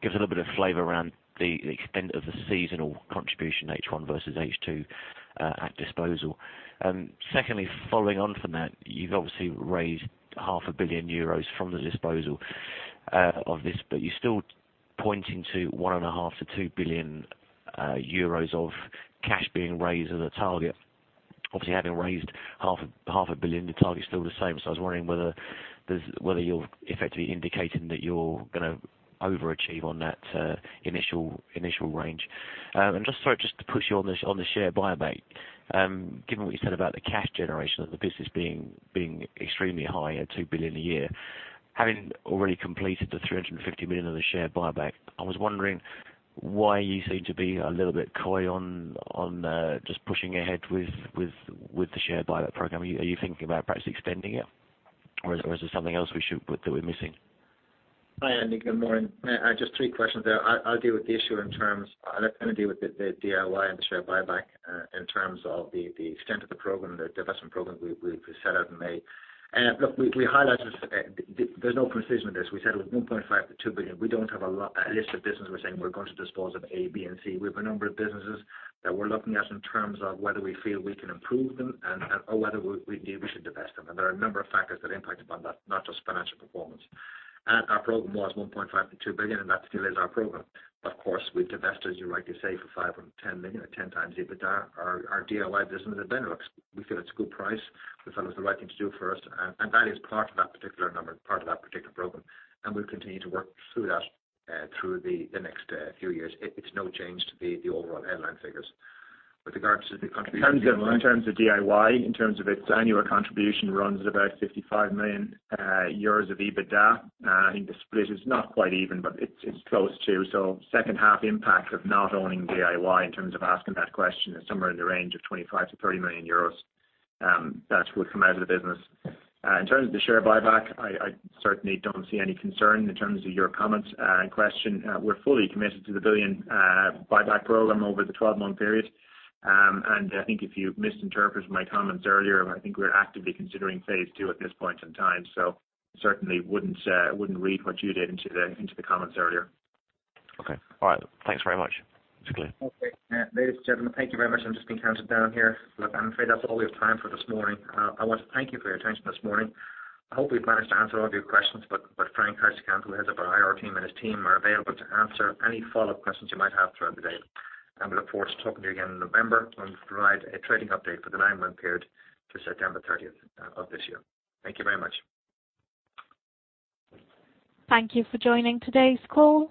give us a little bit of flavor around the extent of the seasonal contribution H1 versus H2 at disposal? Secondly, following on from that, you have obviously raised 0.5 billion euros from the disposal of this, but you are still pointing to 1.5 billion to 2 billion euros of cash being raised as a target. Obviously, having raised 0.5 billion, the target is still the same. I was wondering whether you are effectively indicating that you are going to overachieve on that initial range. Just sorry, just to push you on the share buyback. Given what you said about the cash generation of the business being extremely high at 2 billion a year, having already completed the 350 million of the share buyback, I was wondering why you seem to be a little bit coy on just pushing ahead with the share buyback program. Are you thinking about perhaps extending it or is there something else that we are missing? Hi, Andy. Good morning. Just three questions there. I will deal with the issue. I am going to deal with the Benelux DIY and the share buyback in terms of the extent of the program, the divestment program we set out in May. Look, we highlighted, there is no precision in this. We said it was 1.5 billion to 2 billion. We do not have a list of business we are saying we are going to dispose of A, B, and C. We have a number of businesses that we are looking at in terms of whether we feel we can improve them or whether we should divest them. There are a number of factors that impact upon that, not just financial performance. Our program was 1.5 billion to 2 billion, and that still is our program. Of course, we divested, as you rightly say, for 510 million or 10x EBITDA. Our Benelux DIY business, we feel it is a good price. We felt it was the right thing to do for us, that is part of that particular number, part of that particular program, and we will continue to work through that through the next few years. It is no change to the overall headline figures. With regards to the contribution. In terms of DIY, in terms of its annual contribution runs at about 55 million euros of EBITDA. I think the split is not quite even, but it's close to. Second half impact of not owning DIY in terms of asking that question is somewhere in the range of 25 million-30 million euros. That would come out of the business. In terms of the share buyback, I certainly don't see any concern in terms of your comments and question. We're fully committed to the 1 billion buyback program over the 12-month period. I think if you've misinterpreted my comments earlier, I think we're actively considering phase 2 at this point in time. Certainly wouldn't read what you did into the comments earlier. Okay. All right. Thanks very much. That's clear. Okay. Ladies and gentlemen, thank you very much. I'm just being counted down here. Look, I'm afraid that's all we have time for this morning. I want to thank you for your attention this morning. I hope we've managed to answer all of your questions. Frank Heisterkamp, who heads up our IR team, and his team are available to answer any follow-up questions you might have throughout the day. We look forward to talking to you again in November when we provide a trading update for the 9-month period to September 30th of this year. Thank you very much. Thank you for joining today's call.